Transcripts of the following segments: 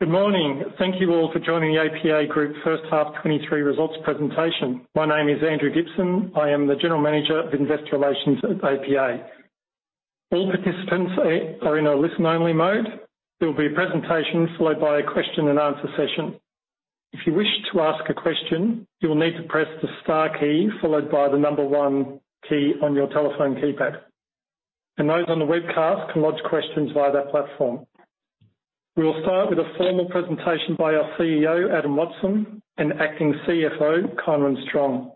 Good morning. Thank you all for joining the APA Group first half 2023 results presentation. My name is Andrew Gibson. I am the General Manager of Investor Relations at APA. All participants are in a listen-only mode. There will be a presentation followed by a question-and-answer session. If you wish to ask a question, you will need to press the star key followed by the one key on your telephone keypad. Those on the webcast can lodge questions via their platform. We will start with a formal presentation by our CEO, Adam Watson, and acting CFO, Kynwynn Strong,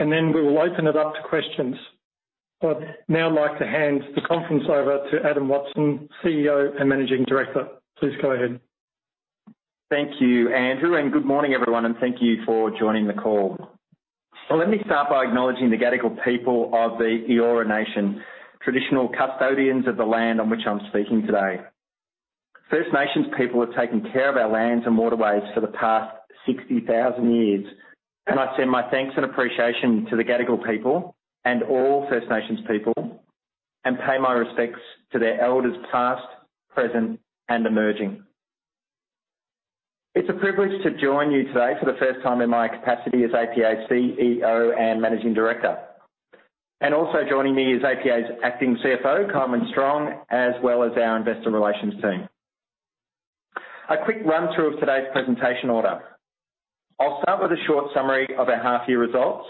and then we will open it up to questions. I'd now like to hand the conference over to Adam Watson, CEO and Managing Director. Please go ahead. Thank you, Andrew, good morning, everyone, and thank you for joining the call. Let me start by acknowledging the Gadigal people of the Eora Nation, traditional custodians of the land on which I'm speaking today. First Nations people have taken care of our lands and waterways for the past 60,000 years, and I send my thanks and appreciation to the Gadigal people and all First Nations people and pay my respects to their elders past, present, and emerging. It's a privilege to join you today for the first time in my capacity as APA CEO and Managing Director. Also joining me is APA's acting CFO, Kynwynn Strong, as well as our investor relations team. A quick run-through of today's presentation order. I'll start with a short summary of our half year results.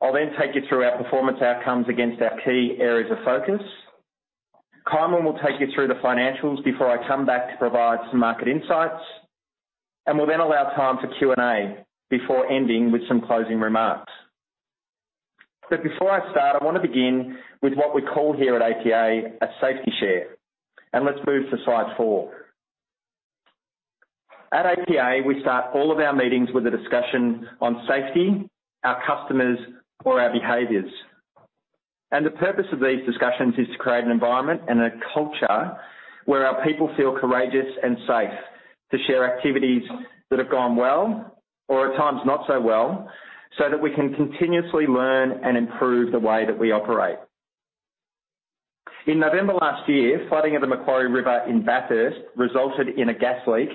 I'll take you through our performance outcomes against our key areas of focus. Kynwynn will take you through the financials before I come back to provide some market insights. We'll then allow time for Q&A before ending with some closing remarks. Before I start, I wanna begin with what we call here at APA a safety share. Let's move to slide four. At APA, we start all of our meetings with a discussion on safety, our customers or our behaviors. The purpose of these discussions is to create an environment and a culture where our people feel courageous and safe to share activities that have gone well or at times not so well, so that we can continuously learn and improve the way that we operate. In November last year, flooding of the Macquarie River in Bathurst resulted in a gas leak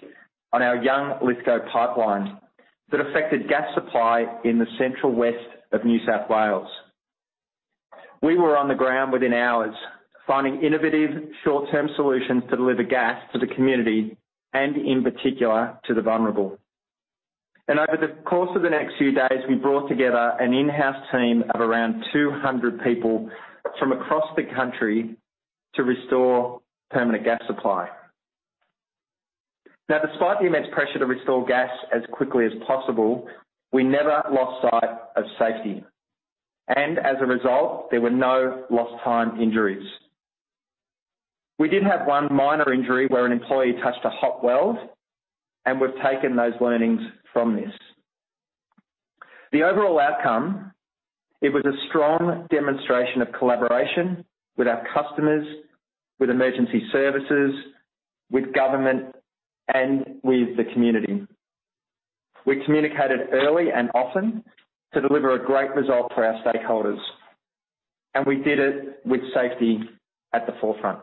on our Young Lithgow Pipeline that affected gas supply in the central west of New South Wales. We were on the ground within hours, finding innovative short-term solutions to deliver gas to the community and, in particular, to the vulnerable. Over the course of the next few days, we brought together an in-house team of around 200 people from across the country to restore permanent gas supply. Despite the immense pressure to restore gas as quickly as possible, we never lost sight of safety. As a result, there were no lost time injuries. We did have one minor injury where an employee touched a hot weld, and we've taken those learnings from this. The overall outcome, it was a strong demonstration of collaboration with our customers, with emergency services, with government, and with the community. We communicated early and often to deliver a great result for our stakeholders, and we did it with safety at the forefront.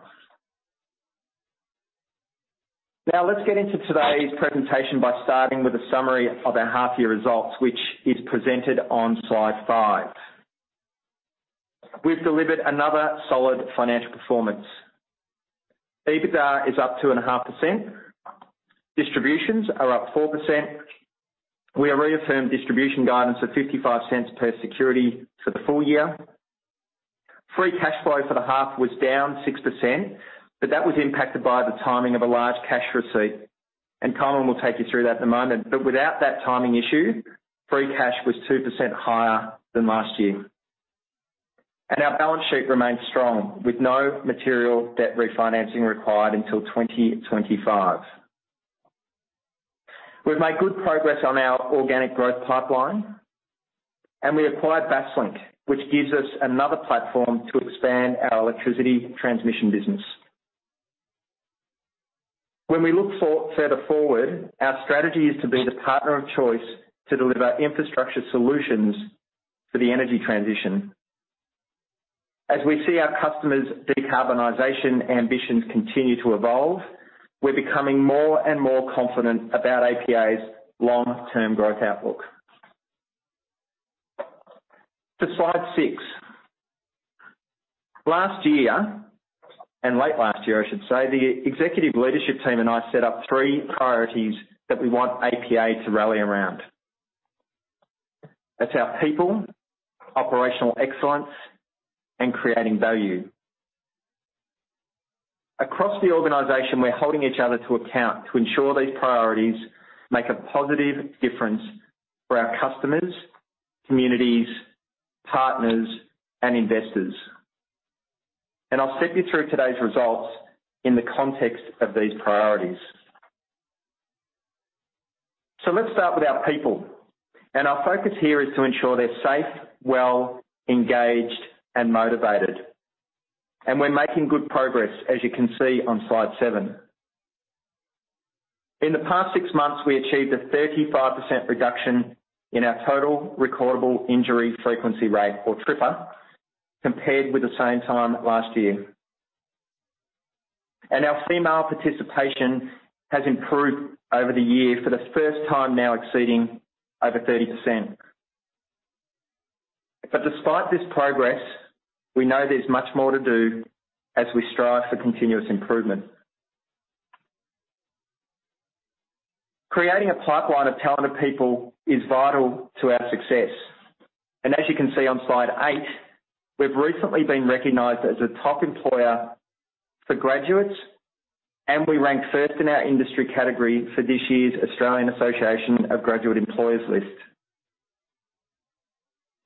Let's get into today's presentation by starting with a summary of our half year results, which is presented on slide five. We've delivered another solid financial performance. EBITDA is up 2.5%. Distributions are up 4%. We have reaffirmed distribution guidance of 0.55 per security for the full year. Free cash flow for the half was down 6%, but that was impacted by the timing of a large cash receipt, and Kynwynn will take you through that in a moment. Without that timing issue, free cash was 2% higher than last year. Our balance sheet remains strong with no material debt refinancing required until 2025. We've made good progress on our organic growth pipeline, and we acquired Basslink, which gives us another platform to expand our Electricity Transmission business. When we look for further forward, our strategy is to be the partner of choice to deliver infrastructure solutions for the energy transition. As we see our customers' decarbonization ambitions continue to evolve, we're becoming more and more confident about APA's long-term growth outlook. To slide six. Last year, and late last year, I should say, the executive leadership team and I set up three priorities that we want APA to rally around. That's our people, operational excellence, and creating value. Across the organization, we're holding each other to account to ensure these priorities make a positive difference for our customers, communities, partners, and investors. I'll step you through today's results in the context of these priorities. Let's start with our people. Our focus here is to ensure they're safe, well, engaged and motivated. We're making good progress, as you can see on slide seven. In the past six months, we achieved a 35% reduction in our total recordable injury frequency rate or TRIFR, compared with the same time last year. Our female participation has improved over the year for the first time now exceeding over 30%. Despite this progress, we know there's much more to do as we strive for continuous improvement. Creating a pipeline of talented people is vital to our success. As you can see on slide eight, we've recently been recognized as a top employer for graduates, and we ranked first in our industry category for this year's Australian Association of Graduate Employers list.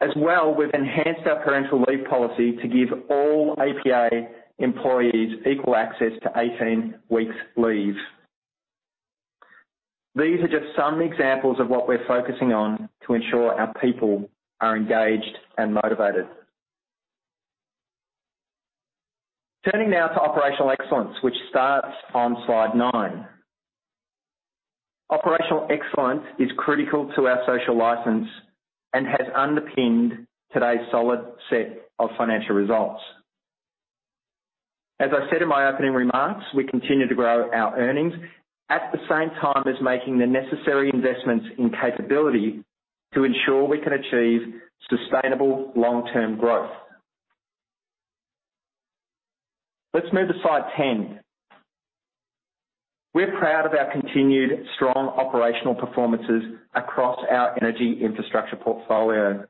As well, we've enhanced our parental leave policy to give all APA employees equal access to 18 weeks leave. These are just some examples of what we're focusing on to ensure our people are engaged and motivated. Now to operational excellence, which starts on slide nine. Operational excellence is critical to our social license and has underpinned today's solid set of financial results. As I said in my opening remarks, we continue to grow our earnings at the same time as making the necessary investments in capability to ensure we can achieve sustainable long-term growth. Let's move to slide 10. We're proud of our continued strong operational performances across our energy infrastructure portfolio.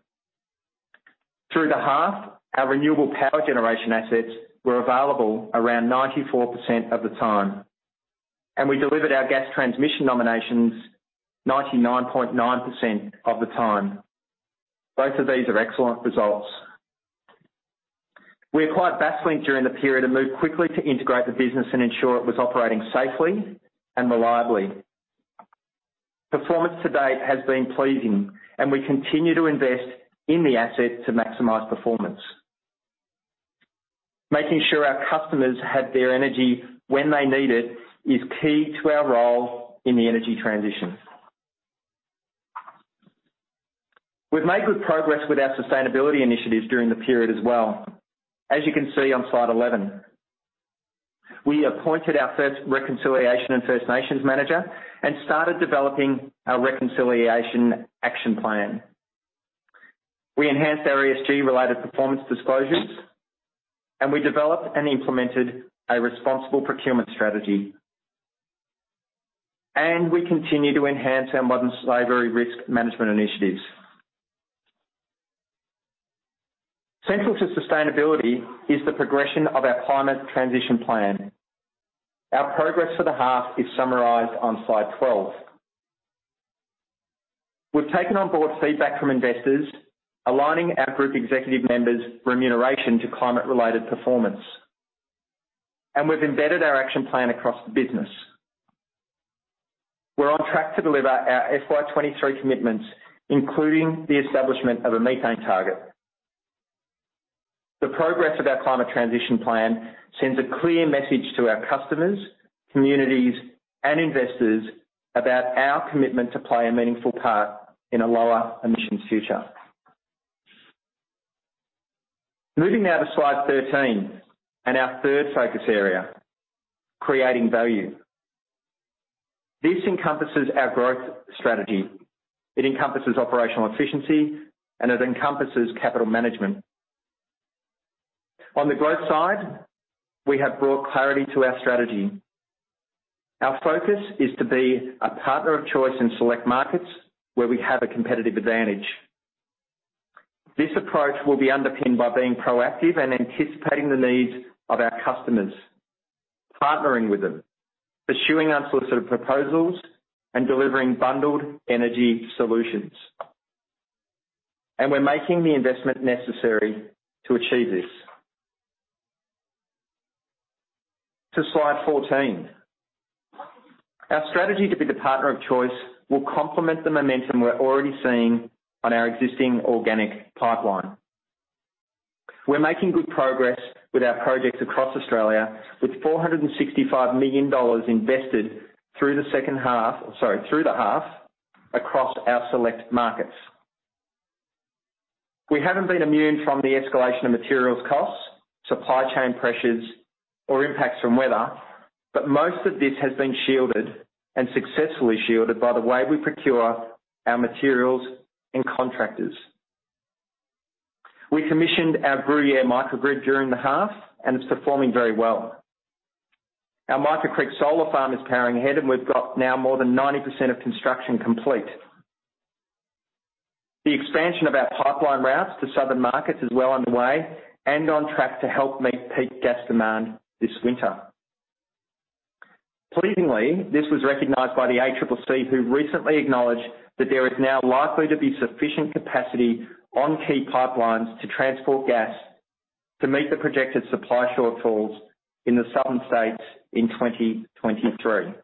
Through the half, our renewable power generation assets were available around 94% of the time, and we delivered our gas transmission nominations 99.9% of the time. Both of these are excellent results. We acquired Basslink during the period and moved quickly to integrate the business and ensure it was operating safely and reliably. Performance to date has been pleasing. We continue to invest in the asset to maximize performance. Making sure our customers have their energy when they need it is key to our role in the energy transition. We've made good progress with our sustainability initiatives during the period as well. As you can see on slide 11, we appointed our first Reconciliation and First Nations manager and started developing our Reconciliation Action Plan. We enhanced our ESG-related performance disclosures. We developed and implemented a responsible procurement strategy. We continue to enhance our modern slavery risk management initiatives. Central to sustainability is the progression of our climate transition plan. Our progress for the half is summarized on slide 12. We've taken on board feedback from investors, aligning our group executive members' remuneration to climate-related performance. We've embedded our action plan across the business. We're on track to deliver our FY 2023 commitments, including the establishment of a methane target. The progress of our climate transition plan sends a clear message to our customers, communities, and investors about our commitment to play a meaningful part in a lower-emission future. Moving now to slide 13 and our third focus area: creating value. This encompasses our growth strategy, it encompasses operational efficiency, and it encompasses capital management. On the growth side, we have brought clarity to our strategy. Our focus is to be a partner of choice in select markets where we have a competitive advantage. This approach will be underpinned by being proactive and anticipating the needs of our customers, partnering with them, pursuing unsolicited proposals, and delivering bundled energy solutions. We're making the investment necessary to achieve this. To slide 14. Our strategy to be the partner of choice will complement the momentum we're already seeing on our existing organic pipeline. We're making good progress with our projects across Australia, with 465 million dollars invested through the half across our select markets. We haven't been immune from the escalation of materials costs, supply chain pressures, or impacts from weather, but most of this has been successfully shielded by the way we procure our materials and contractors. We commissioned our Gruyere microgrid during the half, and it's performing very well. Our Mica Creek Solar Farm is powering ahead, we've got now more than 90% of construction complete. The expansion of our pipeline routes to southern markets is well underway and on track to help meet peak gas demand this winter. Pleasingly, this was recognized by the ACCC, who recently acknowledged that there is now likely to be sufficient capacity on key pipelines to transport gas to meet the projected supply shortfalls in the southern states in 2023.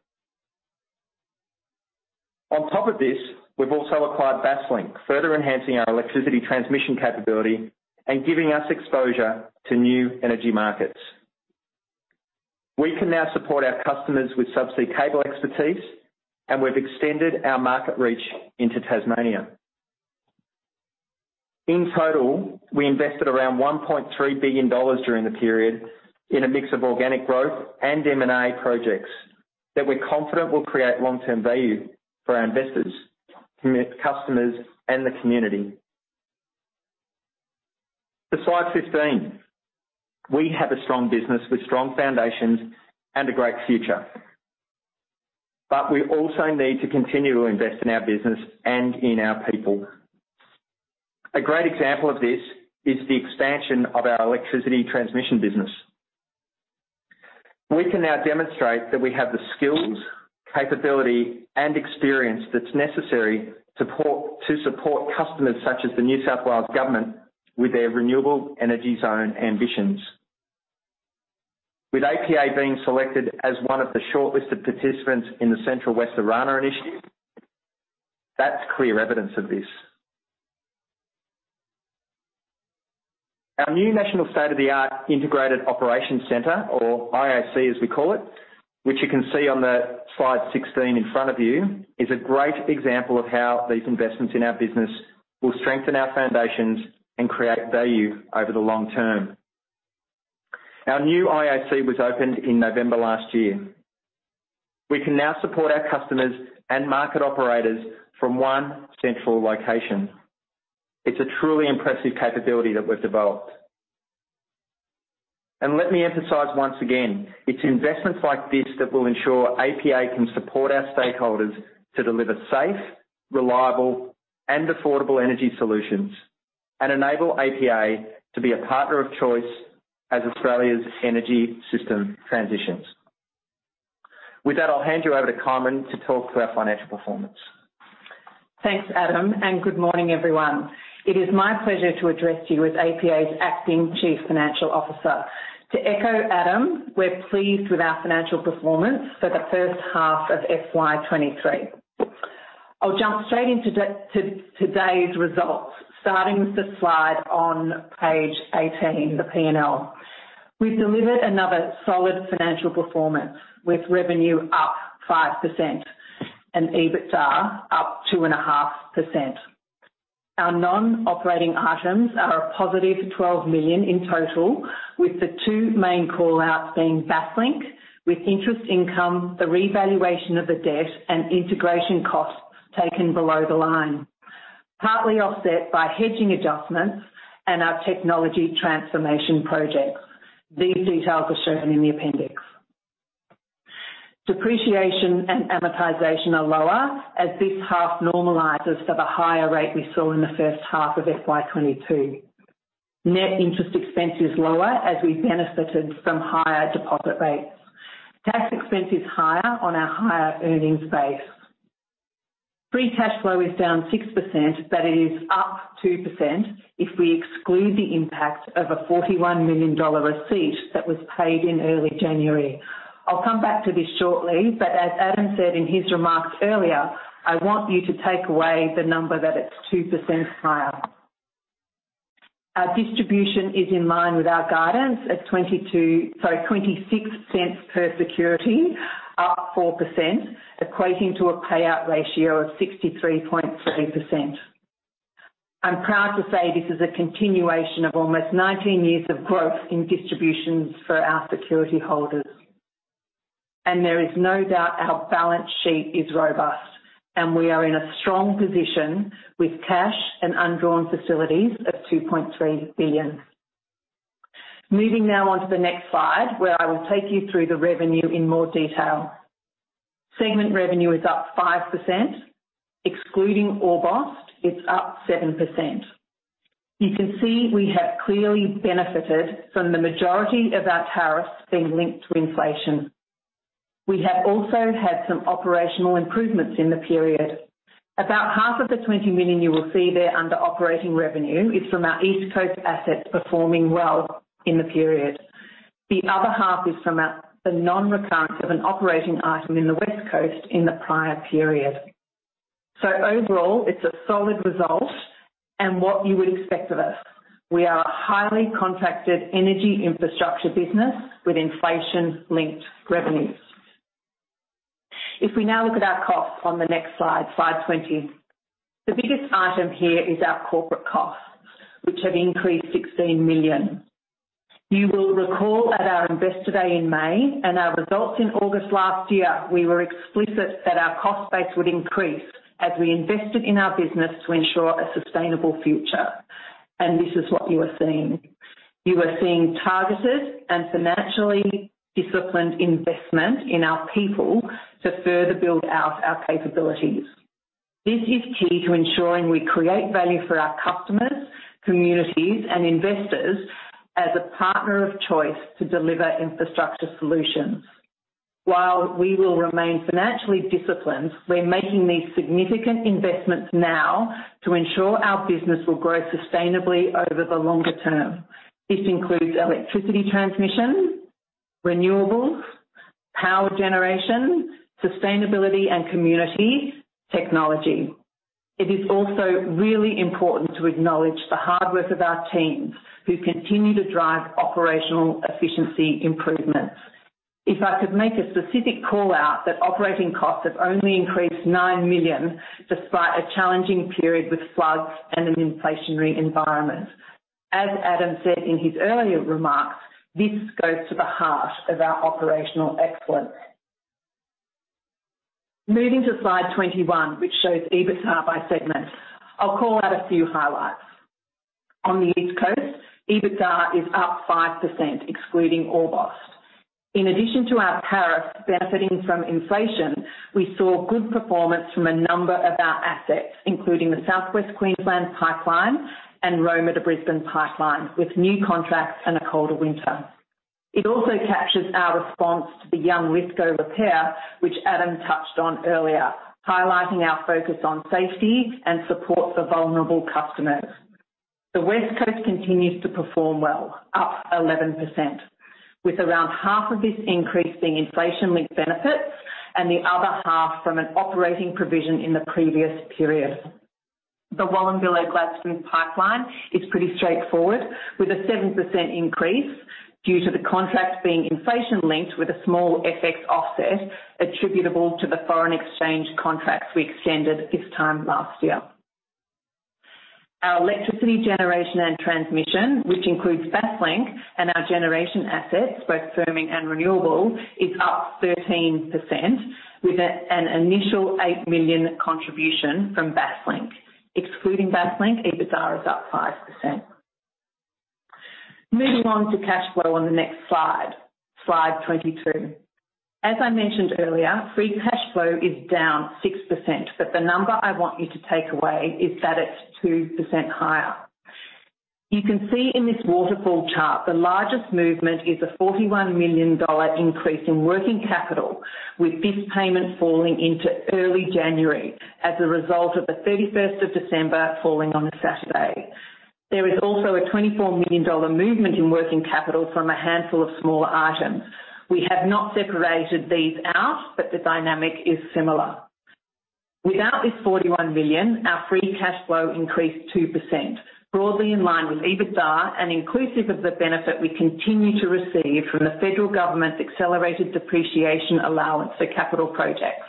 On top of this, we've also acquired Basslink, further enhancing our electricity transmission capability and giving us exposure to new energy markets. We can now support our customers with subsea cable expertise, we've extended our market reach into Tasmania. In total, we invested around 1.3 billion dollars during the period in a mix of organic growth and M&A projects that we're confident will create long-term value for our investors, customers, and the community. For slide 15, we have a strong business with strong foundations and a great future, we also need to continue to invest in our business and in our people. A great example of this is the expansion of our Electricity Transmission business. We can now demonstrate that we have the skills, capability, and experience that's necessary to support customers such as the New South Wales Government with their Renewable Energy Zone ambitions. With APA being selected as one of the shortlisted participants in the Central West Orana initiative, that's clear evidence of this. Our new national state-of-the-art Integrated Operations Centre or IOC, as we call it, which you can see on the slide 16 in front of you, is a great example of how these investments in our business will strengthen our foundations and create value over the long term. Our new IOC was opened in November last year. We can now support our customers and market operators from one central location. It's a truly impressive capability that we've developed. Let me emphasize once again, it's investments like this that will ensure APA can support our stakeholders to deliver safe, reliable, and affordable energy solutions and enable APA to be a partner of choice as Australia's energy system transitions. With that, I'll hand you over Kynwynn to talk through our financial performance. Thanks, Adam. Good morning, everyone. It is my pleasure to address you as APA's Acting Chief Financial Officer. To echo Adam, we're pleased with our financial performance for the first half of FY 2023. I'll jump straight into today's results, starting with the slide on page 18, the P&L. We've delivered another solid financial performance, with revenue up 5% and EBITDA up 2.5%. Our non-operating items are a positive 12 million in total, with the two main call-outs being Basslink, with interest income, the revaluation of the debt and integration costs taken below the line, partly offset by hedging adjustments and our technology transformation projects. These details are shown in the appendix. Depreciation and amortization are lower as this half normalizes for the higher rate we saw in the first half of FY 2022. Net interest expense is lower as we benefited from higher deposit rates. Tax expense is higher on our higher earnings base. Free cash flow is down 6%, but it is up 2% if we exclude the impact of an 41 million dollar receipt that was paid in early January. I'll come back to this shortly, but as Adam said in his remarks earlier, I want you to take away the number that it's 2% higher. Our distribution is in line with our guidance at 0.26 per security, up 4%, equating to a payout ratio of 63.3%. I'm proud to say this is a continuation of almost 19 years of growth in distributions for our security holders. There is no doubt our balance sheet is robust and we are in a strong position with cash and undrawn facilities of 2.3 billion. Moving now on to the next slide, where I will take you through the revenue in more detail. Segment revenue is up 5%. Excluding Orbost, it's up 7%. You can see we have clearly benefited from the majority of our tariffs being linked to inflation. We have also had some operational improvements in the period. About half of the 20 million you will see there under operating revenue is from our East Coast assets performing well in the period. The other half is from the non-recurrence of an operating item in the West Coast in the prior period. Overall, it's a solid result and what you would expect of us. We are a highly contracted Energy Infrastructure business with inflation-linked revenues. We now look at our costs on the next slide 20. The biggest item here is our corporate costs, which have increased 16 million. You will recall at our Investor Day in May and our results in August last year, we were explicit that our cost base would increase as we invested in our business to ensure a sustainable future. This is what you are seeing. You are seeing targeted and financially disciplined investment in our people to further build out our capabilities. This is key to ensuring we create value for our customers, communities and investors as a partner of choice to deliver infrastructure solutions. While we will remain financially disciplined, we're making these significant investments now to ensure our business will grow sustainably over the longer term. This includes electricity transmission-renewables, power generation, sustainability and community technology. It is also really important to acknowledge the hard work of our teams who continue to drive operational efficiency improvements. If I could make a specific call-out that operating costs have only increased 9 million despite a challenging period with floods and an inflationary environment. As Adam said in his earlier remarks, this goes to the heart of our operational excellence. Moving to slide 21, which shows EBITDA by segment. I'll call out a few highlights. On the East Coast, EBITDA is up 5% excluding Orbost. In addition to our tariffs benefiting from inflation, we saw good performance from a number of our assets, including the Southwest Queensland Pipeline and Roma to Brisbane Pipeline, with new contracts and a colder winter. It also captures our response to the Young-Lithgow repair, which Adam touched on earlier, highlighting our focus on safety and support for vulnerable customers. The West Coast continues to perform well, up 11%, with around half of this increase being inflation-linked benefits and the other half from an operating provision in the previous period. The Wallumbilla Gladstone Pipeline is pretty straightforward with a 7% increase due to the contracts being inflation-linked with a small FX offset attributable to the foreign exchange contracts we extended this time last year. Our electricity generation and transmission, which includes Basslink and our generation assets, both firming and renewable, is up 13% with an initial 8 million contribution from Basslink. Excluding Basslink, EBITDA is up 5%. Moving on to cash flow on the next slide 22. As I mentioned earlier, free cash flow is down 6%, but the number I want you to take away is that it's 2% higher. You can see in this waterfall chart, the largest movement is an 41 million dollar increase in working capital, with this payment falling into early January as a result of the 31st of December falling on a Saturday. There is also an 24 million dollar movement in working capital from a handful of smaller items. We have not separated these out, but the dynamic is similar. Without this 41 million, our free cash flow increased 2%, broadly in line with EBITDA and inclusive of the benefit we continue to receive from the federal government's accelerated depreciation allowance for capital projects.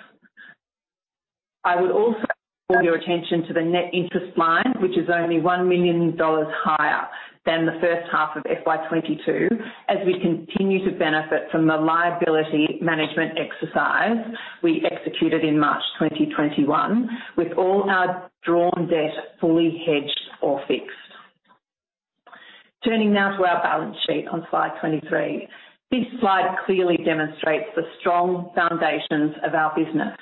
I would also call your attention to the net interest line, which is only 1 million dollars higher than the first half of FY 2022, as we continue to benefit from the liability management exercise we executed in March 2021, with all our drawn debt fully hedged or fixed. Turning now to our balance sheet on slide 23. This slide clearly demonstrates the strong foundations of our business,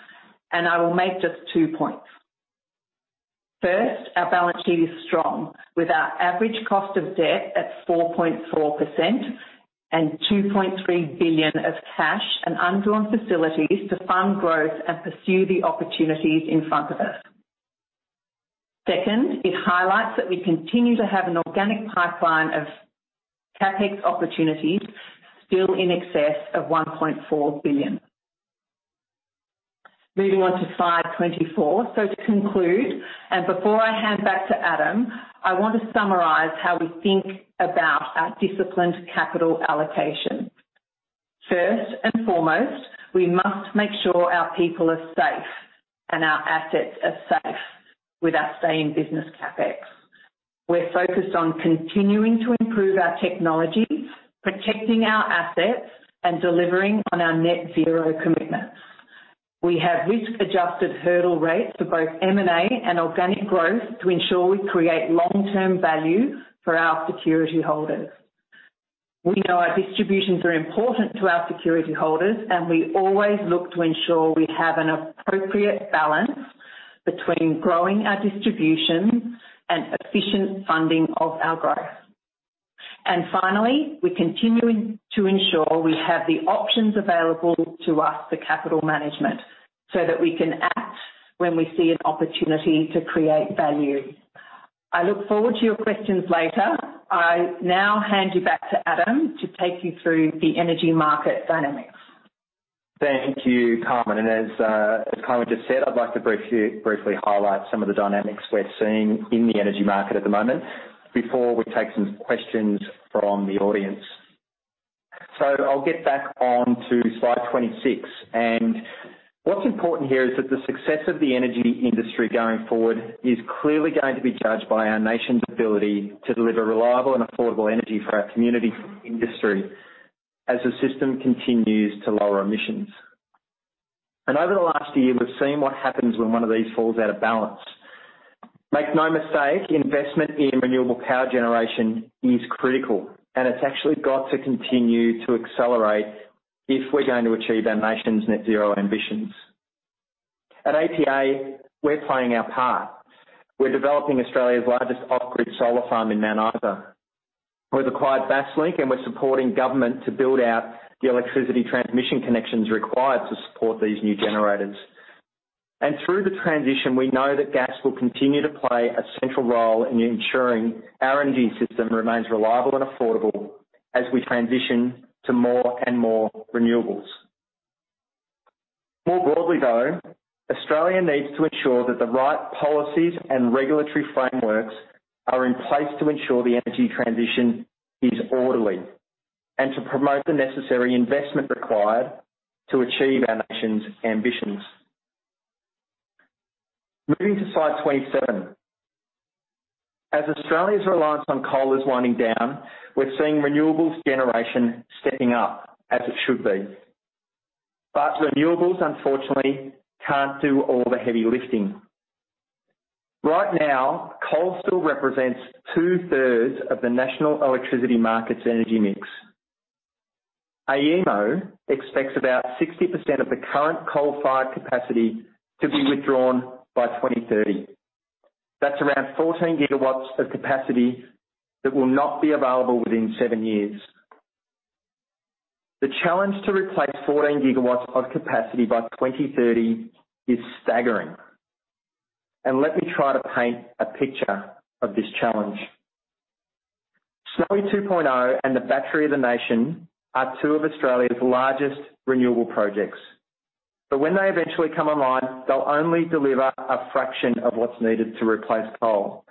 and I will make just two points. First, our balance sheet is strong, with our average cost of debt at 4.4% and 2.3 billion of cash and undrawn facilities to fund growth and pursue the opportunities in front of us. Second, it highlights that we continue to have an organic pipeline of CapEx opportunities still in excess of 1.4 billion. Moving on to slide 24. To conclude, and before I hand back to Adam, I want to summarize how we think about our disciplined capital allocation. First and foremost, we must make sure our people are safe and our assets are safe with our stay in business CapEx. We're focused on continuing to improve our technologies, protecting our assets, and delivering on our net zero commitments. We have risk-adjusted hurdle rates for both M&A and organic growth to ensure we create long-term value for our security holders. We know our distributions are important to our security holders, and we always look to ensure we have an appropriate balance between growing our distributions and efficient funding of our growth. Finally, we're continuing to ensure we have the options available to us for capital management so that we can act when we see an opportunity to create value. I look forward to your questions later. I now hand you back to Adam to take you through the energy market dynamics. Thank you, Kynwynn. As Kynwynn just said, I'd like to briefly highlight some of the dynamics we're seeing in the energy market at the moment before we take some questions from the audience. I'll get back on to slide 26. What's important here is that the success of the energy industry going forward is clearly going to be judged by our nation's ability to deliver reliable and affordable energy for our community industry as the system continues to lower emissions. Over the last year, we've seen what happens when one of these falls out of balance. Make no mistake, investment in renewable power generation is critical, and it's actually got to continue to accelerate if we're going to achieve our nation's net zero ambitions. At APA, we're playing our part. We're developing Australia's largest off-grid solar farm in Mount Isa. We've acquired Basslink, and we're supporting government to build out the electricity transmission connections required to support these new generators. Through the transition, we know that gas will continue to play a central role in ensuring our energy system remains reliable and affordable as we transition to more and more renewables. More broadly, though, Australia needs to ensure that the right policies and regulatory frameworks are in place to ensure the energy transition is orderly and to promote the necessary investment required to achieve our nation's ambitions. Moving to slide 27. As Australia's reliance on coal is winding down, we're seeing renewables generation stepping up as it should be. Renewables, unfortunately, can't do all the heavy lifting. Right now, coal still represents 2/3 of the National Electricity Market's energy mix. AEMO expects about 60% of the current coal-fired capacity to be withdrawn by 2030. That's around 14 GW of capacity that will not be available within seven years. The challenge to replace 14 GW of capacity by 2030 is staggering. Let me try to paint a picture of this challenge. Snowy 2.0 and the Battery of the Nation are two of Australia's largest renewable projects. When they eventually come online, they'll only deliver a fraction of what's needed to replace coal.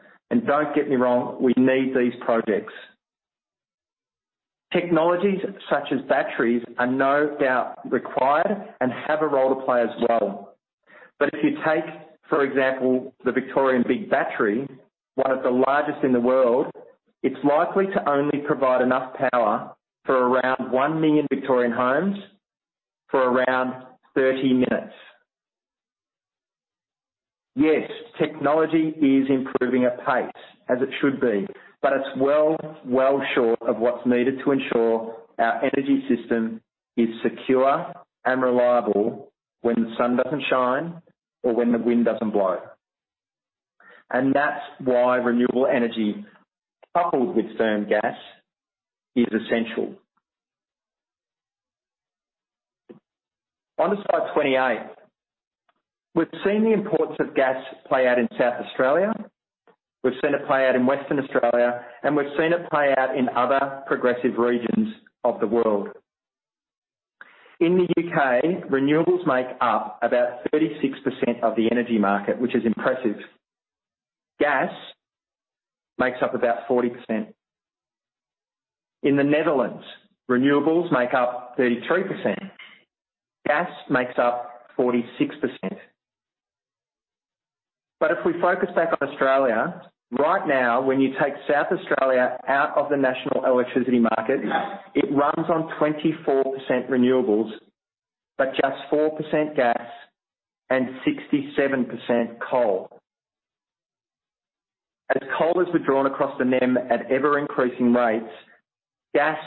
Don't get me wrong, we need these projects. Technologies such as batteries are no doubt required and have a role to play as well. If you take, for example, the Victorian Big Battery, one of the largest in the world, it's likely to only provide enough power for around 1 million Victorian homes for around 30 minutes. Yes, technology is improving at pace as it should be, but it's well, well short of what's needed to ensure our energy system is secure and reliable when the sun doesn't shine or when the wind doesn't blow. That's why renewable energy, coupled with firm gas, is essential. On to slide 28. We've seen the importance of gas play out in South Australia. We've seen it play out in Western Australia, and we've seen it play out in other progressive regions of the world. In the U.K., renewables make up about 36% of the energy market, which is impressive. Gas makes up about 40%. In the Netherlands, renewables make up 33%. Gas makes up 46%. If we focus back on Australia, right now, when you take South Australia out of the national electricity market, it runs on 24% renewables, but just 4% gas and 67% coal. As coal is withdrawn across the NEM at ever-increasing rates, gas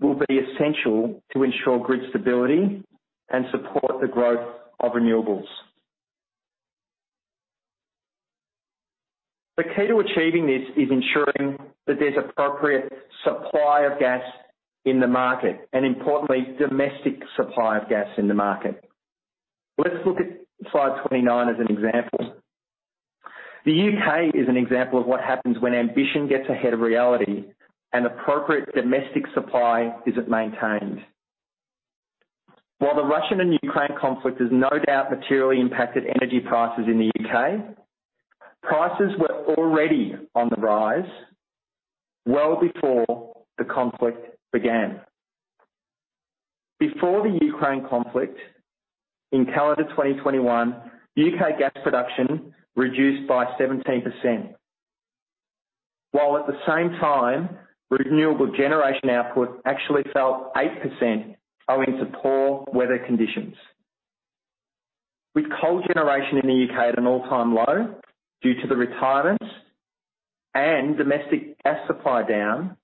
will be essential to ensure grid stability and support the growth of renewables. The key to achieving this is ensuring that there's appropriate supply of gas in the market, and importantly, domestic supply of gas in the market. Let's look at slide 29 as an example. The U.K. is an example of what happens when ambition gets ahead of reality and appropriate domestic supply isn't maintained. While the Russian and Ukraine conflict has no doubt materially impacted energy prices in the U.K., prices were already on the rise well before the conflict began. Before the Ukraine conflict in calendar 2021, U.K. gas production reduced by 17%, while at the same time, renewable generation output actually fell 8% owing to poor weather conditions. With coal generation in the U.K. at an all-time low due to the retirement and domestic gas supply down,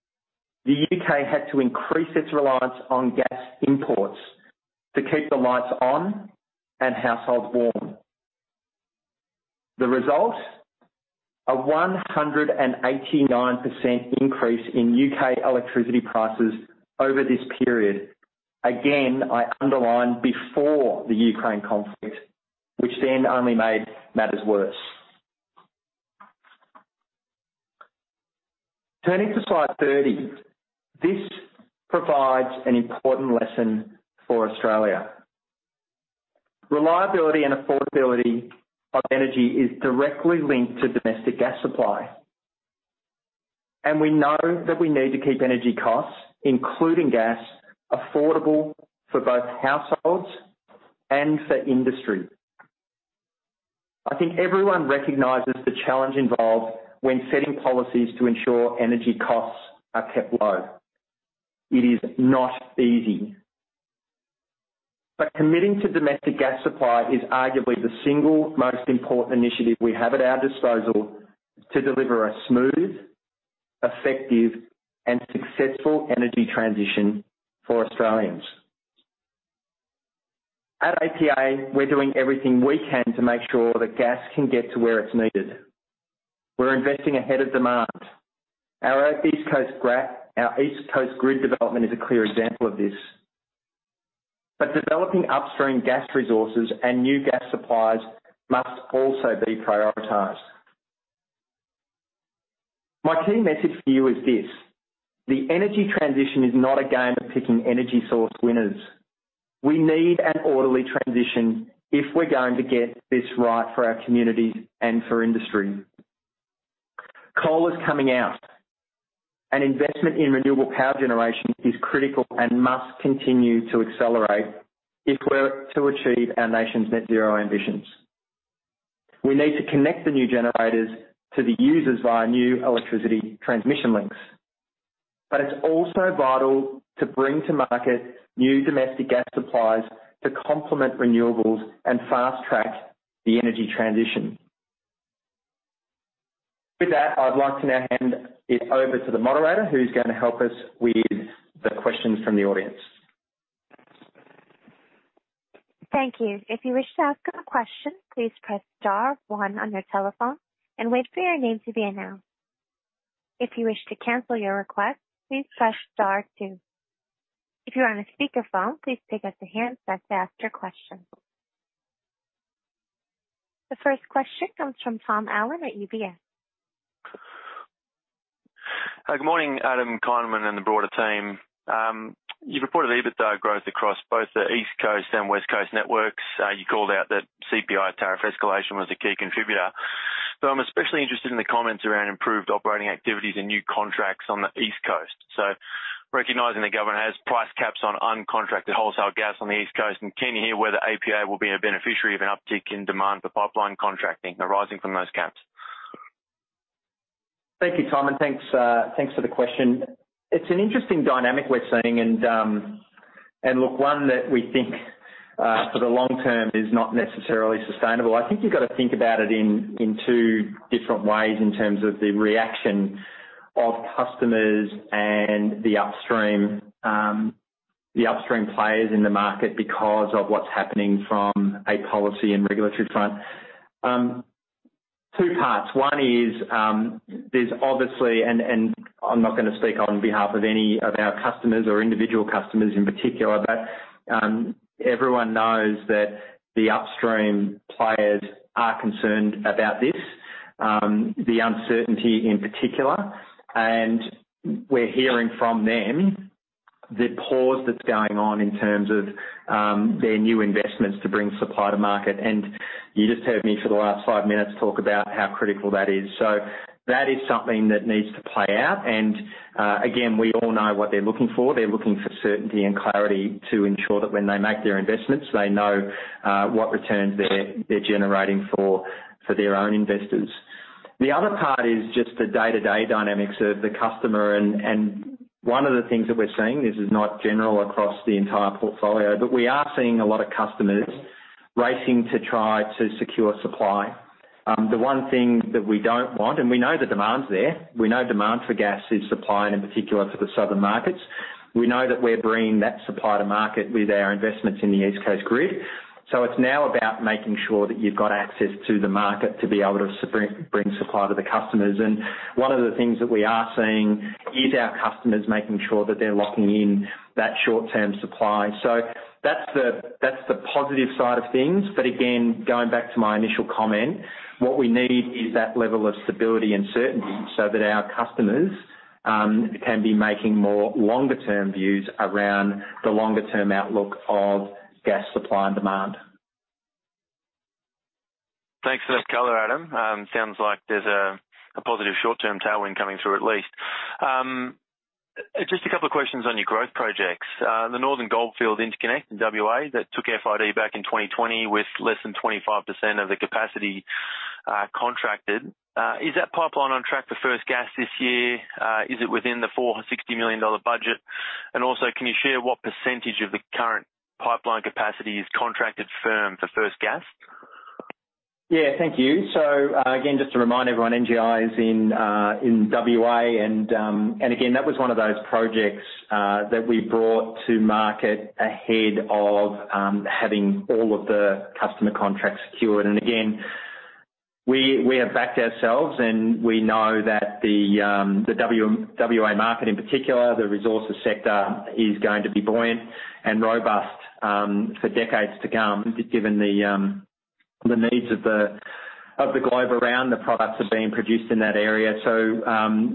the U.K. had to increase its reliance on gas imports to keep the lights on and households warm. The result, a 189% increase in U.K. electricity prices over this period. Again, I underline before the Ukraine conflict, which then only made matters worse. Turning to slide 30. This provides an important lesson for Australia. Reliability and affordability of energy is directly linked to domestic gas supply, and we know that we need to keep energy costs, including gas, affordable for both households and for industry. I think everyone recognizes the challenge involved when setting policies to ensure energy costs are kept low. It is not easy. Committing to domestic gas supply is arguably the single most important initiative we have at our disposal to deliver a smooth, effective, and successful energy transition for Australians. At APA, we're doing everything we can to make sure that gas can get to where it's needed. We're investing ahead of demand. Our East Coast Grid development is a clear example of this. Developing upstream gas resources and new gas supplies must also be prioritized. My key message for you is this: the energy transition is not a game of picking energy source winners. We need an orderly transition if we're going to get this right for our communities and for industry. Coal is coming out. Investment in renewable power generation is critical and must continue to accelerate if we're to achieve our nation's net zero ambitions. We need to connect the new generators to the users via new electricity transmission links. It's also vital to bring to market new domestic gas supplies to complement renewables and fast-track the energy transition. With that, I'd like to now hand it over to the moderator who's gonna help us with the questions from the audience. Thank you. If you wish to ask a question, please press star one on your telephone and wait for your name to be announced. If you wish to cancel your request, please press star two. If you're on a speakerphone, please pick up the handset to ask your question. The first question comes from Tom Allen at UBS. Good morning, Adam, Kynwynn and the broader team. You've reported EBITDA growth across both the East Coast and West Coast networks. You called out that CPI tariff escalation was a key contributor. I'm especially interested in the comments around improved operating activities and new contracts on the East Coast. Recognizing the government has price caps on uncontracted wholesale gas on the East Coast, and can you hear whether APA will be a beneficiary of an uptick in demand for pipeline contracting arising from those caps? Thank you, Tom, and thanks for the question. It's an interesting dynamic we're seeing and look, one that we think, for the long term is not necessarily sustainable. I think you've got to think about it in two different ways in terms of the reaction of customers and the upstream, the upstream players in the market because of what's happening from a policy and regulatory front. Two parts. One is, there's obviously, and I'm not gonna speak on behalf of any of our customers or individual customers in particular, but, everyone knows that the upstream players are concerned about this, the uncertainty in particular. We're hearing from them the pause that's going on in terms of, their new investments to bring supply to market. You just heard me for the last five minutes talk about how critical that is. That is something that needs to play out. Again, we all know what they're looking for. They're looking for certainty and clarity to ensure that when they make their investments, they know what returns they're generating for their own investors. The other part is just the day-to-day dynamics of the customer. One of the things that we're seeing, this is not general across the entire portfolio, but we are seeing a lot of customers racing to try to secure supply. The one thing that we don't want, and we know the demand's there, we know demand for gas is supplied, and in particular to the southern markets. We know that we're bringing that supply to market with our investments in the East Coast Grid. It's now about making sure that you've got access to the market to be able to bring supply to the customers. One of the things that we are seeing is our customers making sure that they're locking in that short-term supply. That's the, that's the positive side of things. Again, going back to my initial comment, what we need is that level of stability and certainty so that our customers can be making more longer term views around the longer term outlook of gas supply and demand. Thanks for that color, Adam. Sounds like there's a positive short-term tailwind coming through at least. Just a couple of questions on your growth projects. The Northern Goldfields Interconnect in WA that took FID back in 2020 with less than 25% of the capacity contracted, is that pipeline on track for first gas this year? Is it within the 460 million dollar budget? Also, can you share what percentage of the current pipeline capacity is contracted firm for first gas? Yeah, thank you. Again, just to remind everyone, NGI is in WA, and again, that was one of those projects that we brought to market ahead of having all of the customer contracts secured. Again, we have backed ourselves and we know that the WA market in particular, the resources sector, is going to be buoyant and robust for decades to come, given the needs of the globe around the products that are being produced in that area.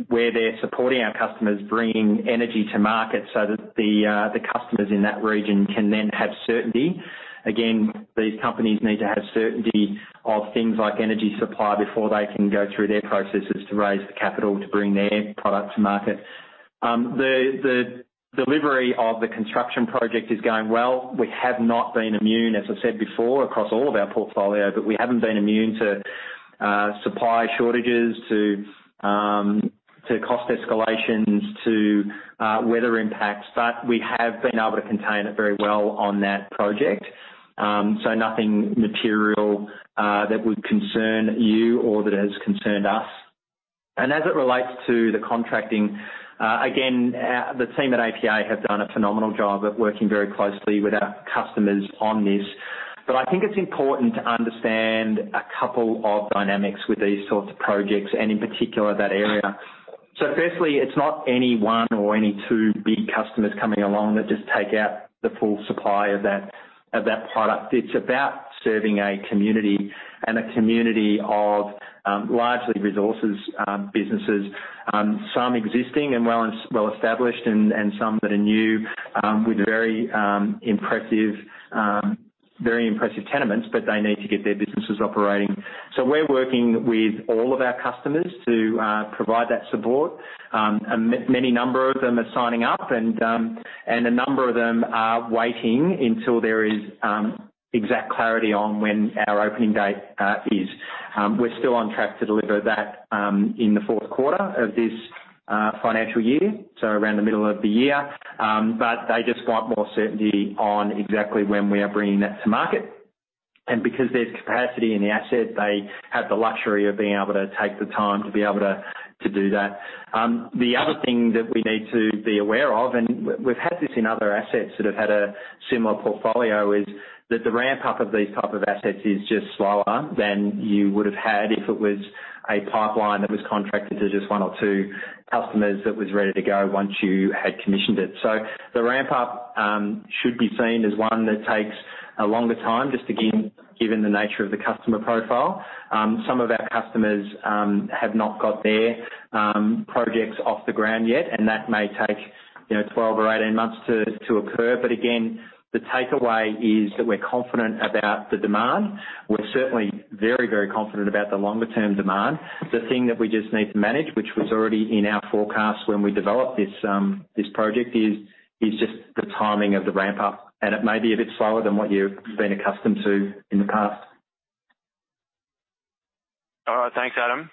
We're there supporting our customers, bringing energy to market so that the customers in that region can then have certainty. Again, these companies need to have certainty of things like energy supply before they can go through their processes to raise the capital to bring their product to market. The delivery of the construction project is going well. We have not been immune, as I said before, across all of our portfolio, but we haven't been immune to supply shortages, to cost escalations, to weather impacts. We have been able to contain it very well on that project. Nothing material that would concern you or that has concerned us. As it relates to the contracting, again, the team at APA have done a phenomenal job at working very closely with our customers on this. I think it's important to understand a couple of dynamics with these sorts of projects, and in particular that area. Firstly, it's not any one or any two big customers coming along that just take out the full supply of that product. It's about serving a community and a community of largely resources businesses, some existing and well-established, and some that are new, with very impressive tenements, but they need to get their businesses operating. We're working with all of our customers to provide that support. Many number of them are signing up, and a number of them are waiting until there is exact clarity on when our opening date is. We're still on track to deliver that in the fourth quarter of this financial year, so around the middle of the year. They just want more certainty on exactly when we are bringing that to market. Because there's capacity in the asset, they have the luxury of being able to take the time to be able to do that. The other thing that we need to be aware of, and we've had this in other assets that have had a similar portfolio, is that the ramp up of these type of assets is just slower than you would have had if it was a pipeline that was contracted to just one or two customers that was ready to go once you had commissioned it. The ramp up, should be seen as one that takes a longer time, just again, given the nature of the customer profile. Some of our customers, have not got their, projects off the ground yet, and that may take, you know, 12 months or 18 months to occur. Again, the takeaway is that we're confident about the demand. We're certainly very, very confident about the longer-term demand. The thing that we just need to manage, which was already in our forecast when we developed this project, is just the timing of the ramp up, and it may be a bit slower than what you've been accustomed to in the past. All right. Thanks, Adam.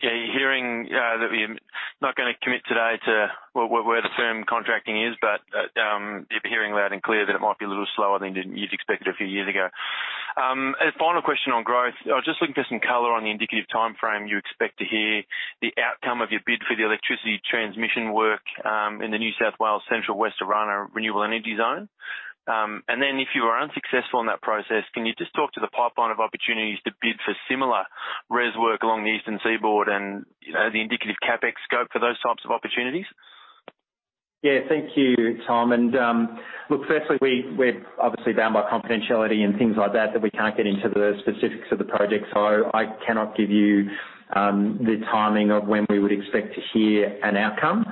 Yeah, you're hearing that we're not going to commit today to where the firm contracting is, but you're hearing loud and clear that it might be a little slower than you'd expected a few years ago. A final question on growth. I was just looking for some color on the indicative timeframe you expect to hear the outcome of your bid for the electricity transmission work in the New South Wales Central West Orana Renewable Energy Zone. If you are unsuccessful in that process, can you just talk to the pipeline of opportunities to bid for similar REZ work along the eastern seaboard and, you know, the indicative CapEx scope for those types of opportunities? Yeah. Thank you, Tom. Look, firstly, we're obviously bound by confidentiality and things like that we can't get into the specifics of the project, so I cannot give you the timing of when we would expect to hear an outcome.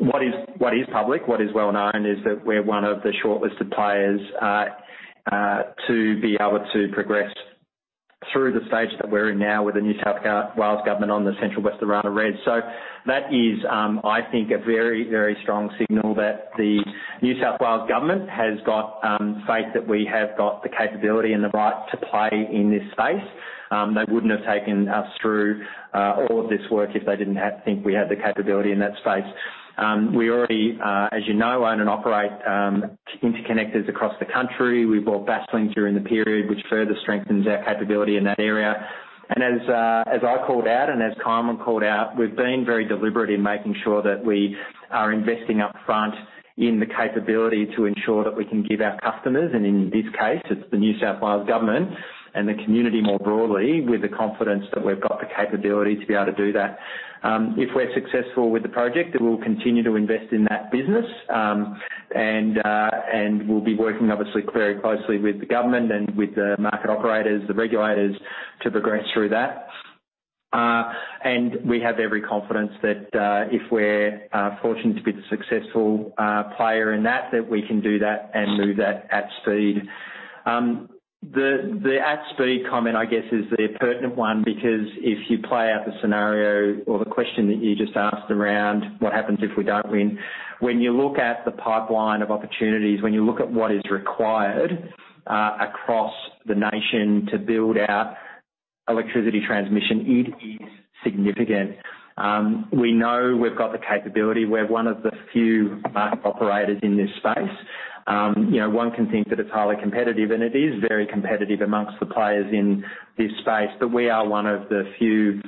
What is, what is public, what is well-known, is that we're one of the shortlisted players to be able to progress through the stage that we're in now with the New South Wales government on the Central West Orana REZ. That is, I think a very, very strong signal that the New South Wales government has got faith that we have got the capability and the right to play in this space. They wouldn't have taken us through all of this work if they didn't think we had the capability in that space. We already, as you know, own and operate interconnectors across the country. We bought Basslink during the period, which further strengthens our capability in that area. As I called out and as Kynwynn called out, we've been very deliberate in making sure that we are investing up front in the capability to ensure that we can give our customers, and in this case it's the New South Wales government and the community more broadly, with the confidence that we've got the capability to be able to do that. If we're successful with the project, we'll continue to invest in that business, and we'll be working obviously very closely with the government and with the market operators, the regulators, to progress through that. We have every confidence that, if we're fortunate to be the successful player in that we can do that and move that at speed. The at speed comment, I guess, is the pertinent one, because if you play out the scenario or the question that you just asked around what happens if we don't win, when you look at the pipeline of opportunities, when you look at what is required across the nation to build our electricity transmission, it is significant. We know we've got the capability. We're one of the few market operators in this space. You know, one can think that it's highly competitive, and it is very competitive amongst the players in this space, but we are one of the few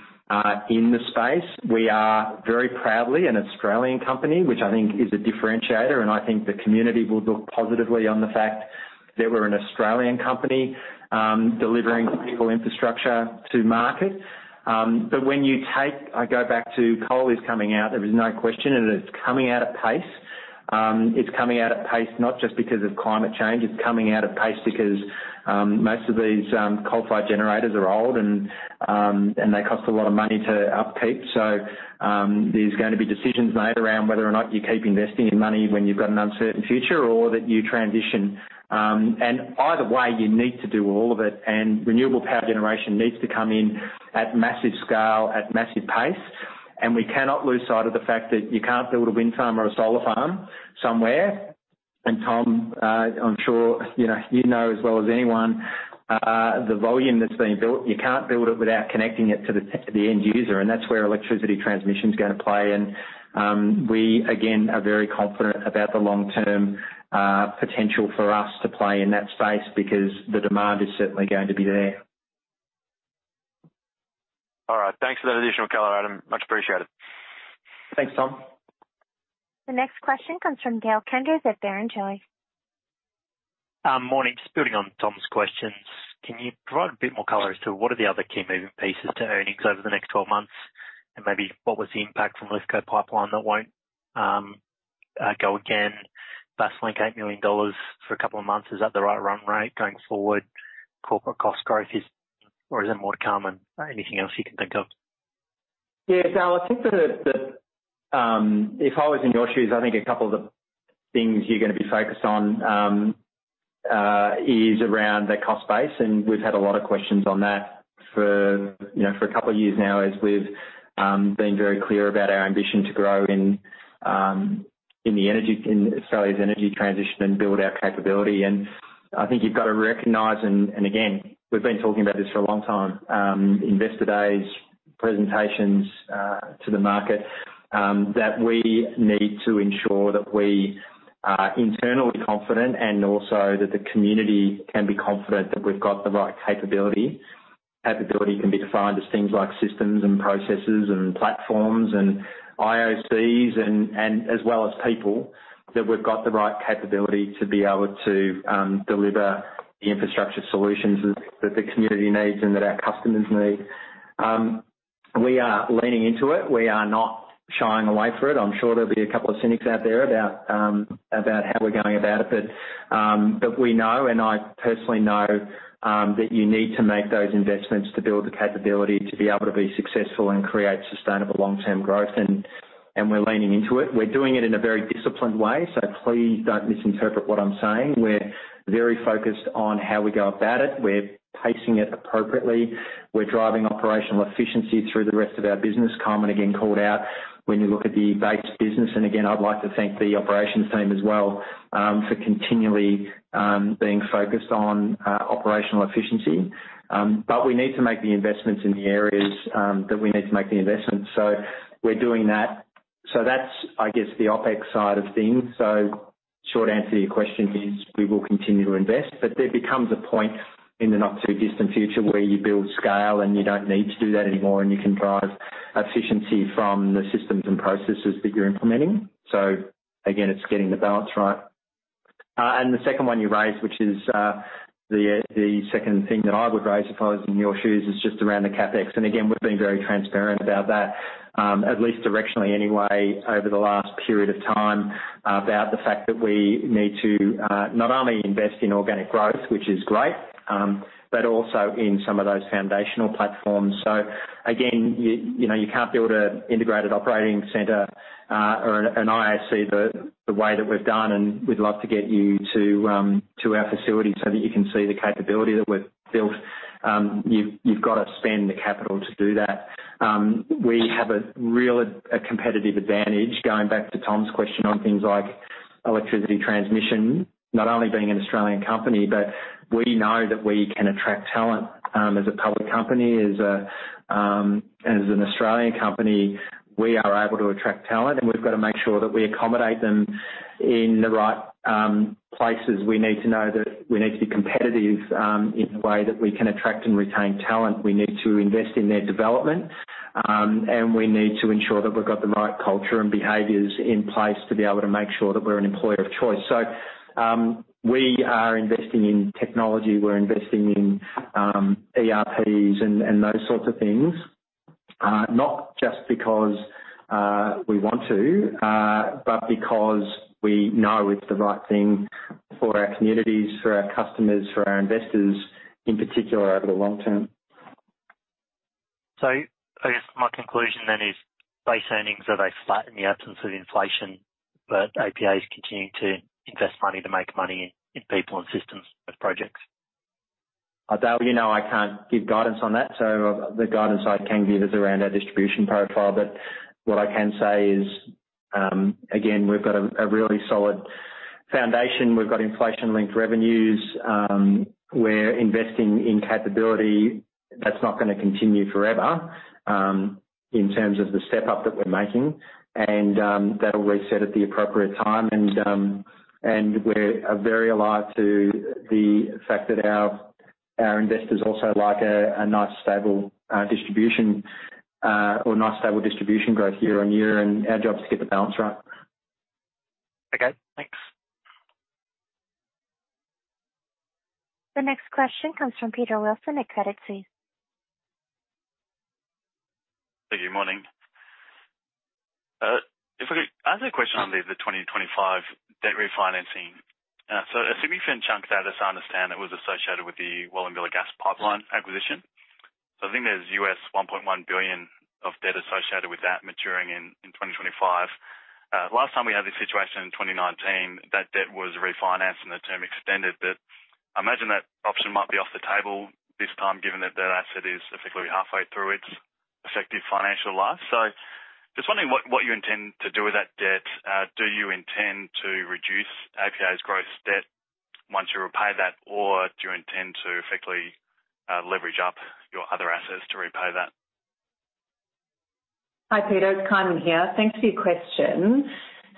in the space. We are very proudly an Australian company, which I think is a differentiator, and I think the community will look positively on the fact that we're an Australian company, delivering critical infrastructure to market. I go back to coal is coming out, there is no question, it is coming out at pace. It's coming out at pace, not just because of climate change, it's coming out at pace because most of these coal-fired generators are old and they cost a lot of money to upkeep. There's gonna be decisions made around whether or not you keep investing money when you've got an uncertain future or that you transition. Either way, you need to do all of it, and renewable power generation needs to come in at massive scale, at massive pace. We cannot lose sight of the fact that you can't build a wind farm or a solar farm somewhere. Tom, I'm sure you know, you know as well as anyone, the volume that's being built, you can't build it without connecting it to the end user, and that's where electricity transmission is gonna play. We again, are very confident about the long-term potential for us to play in that space because the demand is certainly going to be there. Thanks for that additional color, Adam. Much appreciated. Thanks, Tom. The next question comes from Dale Koenders at Barrenjoey. Morning. Just building on Tom's questions, can you provide a bit more color as to what are the other key moving pieces to earnings over the next 12 months? Maybe what was the impact from Lithgow pipeline that won't go again. Basslink, 8 million dollars for a couple of months. Is that the right run rate going forward? Corporate cost growth or is it more common? Anything else you can think of? Yeah, Dale, I think that, if I was in your shoes, I think a couple of the things you're gonna be focused on is around the cost base, and we've had a lot of questions on that for, you know, for a couple of years now as we've been very clear about our ambition to grow in Australia's energy transition and build our capability. I think you've got to recognize, again, we've been talking about this for a long time, Investor Days presentations, to the market, that we need to ensure that we are internally confident and also that the community can be confident that we've got the right capability. Capability can be defined as things like systems and processes and platforms and IOCs and as well as people, that we've got the right capability to be able to deliver the infrastructure solutions that the community needs and that our customers need. We are leaning into it. We are not shying away for it. I'm sure there'll be a couple of cynics out there about about how we're going about it, but we know, and I personally know, that you need to make those investments to build the capability to be able to be successful and create sustainable long-term growth. We're leaning into it. We're doing it in a very disciplined way, so please don't misinterpret what I'm saying. We're very focused on how we go about it. We're pacing it appropriately. We're driving operational efficiency through the rest of our business. Kynwynn, again, called out when you look at the base business. Again, I'd like to thank the operations team as well, for continually being focused on operational efficiency. We need to make the investments in the areas that we need to make the investments. We're doing that. That's, I guess, the OpEx side of things. Short answer to your question is we will continue to invest, but there becomes a point in the not-too-distant future where you build scale and you don't need to do that anymore and you can drive efficiency from the systems and processes that you're implementing. Again, it's getting the balance right. The second one you raised, which is the second thing that I would raise if I was in your shoes, is just around the CapEx. Again, we've been very transparent about that, at least directionally anyway over the last period of time, about the fact that we need to not only invest in organic growth, which is great, but also in some of those foundational platforms. Again, you know, you can't build a Integrated Operations Centre, or an IOC the way that we've done, and we'd love to get you to our facility so that you can see the capability that we've built. You've got to spend the capital to do that. We have a real competitive advantage, going back to Tom's question on things like electricity transmission, not only being an Australian company. We know that we can attract talent, as a public company, as an Australian company, we are able to attract talent. We've got to make sure that we accommodate them in the right places. We need to know that we need to be competitive in the way that we can attract and retain talent. We need to invest in their development, and we need to ensure that we've got the right culture and behaviors in place to be able to make sure that we're an employer of choice. We are investing in technology, we're investing in ERPs and those sorts of things. Not just because we want to, but because we know it's the right thing for our communities, for our customers, for our investors, in particular over the long term. I guess my conclusion then is base earnings. Are they flat in the absence of inflation, but APA is continuing to invest money to make money in people and systems of projects? Dale, you know I can't give guidance on that. The guidance I can give is around our distribution profile. But what I can say is, again, we've got a really solid foundation. We've got inflation-linked revenues. We're investing in capability that's not gonna continue forever, in terms of the step-up that we're making. That'll reset at the appropriate time. We're very alive to the fact that our investors also like a nice stable distribution or nice stable distribution growth year on year, and our job is to get the balance right. Okay, thanks. The next question comes from Peter Wilson at Credit Suisse. Good morning. If I could ask a question on the 2025 debt refinancing. A significant chunk of that, as I understand, it was associated with the Wallumbilla Gas Pipeline acquisition. I think there's $1.1 billion of debt associated with that maturing in 2025. Last time we had this situation in 2019, that debt was refinanced and the term extended. I imagine that option might be off the table this time given that that asset is effectively halfway through its effective financial life. Just wondering what you intend to do with that debt. Do you intend to reduce APA's gross debt once you repay that? Do you intend to effectively leverage up your other assets to repay that? Hi, Peter. It's Kynwynn here. Thanks for your question.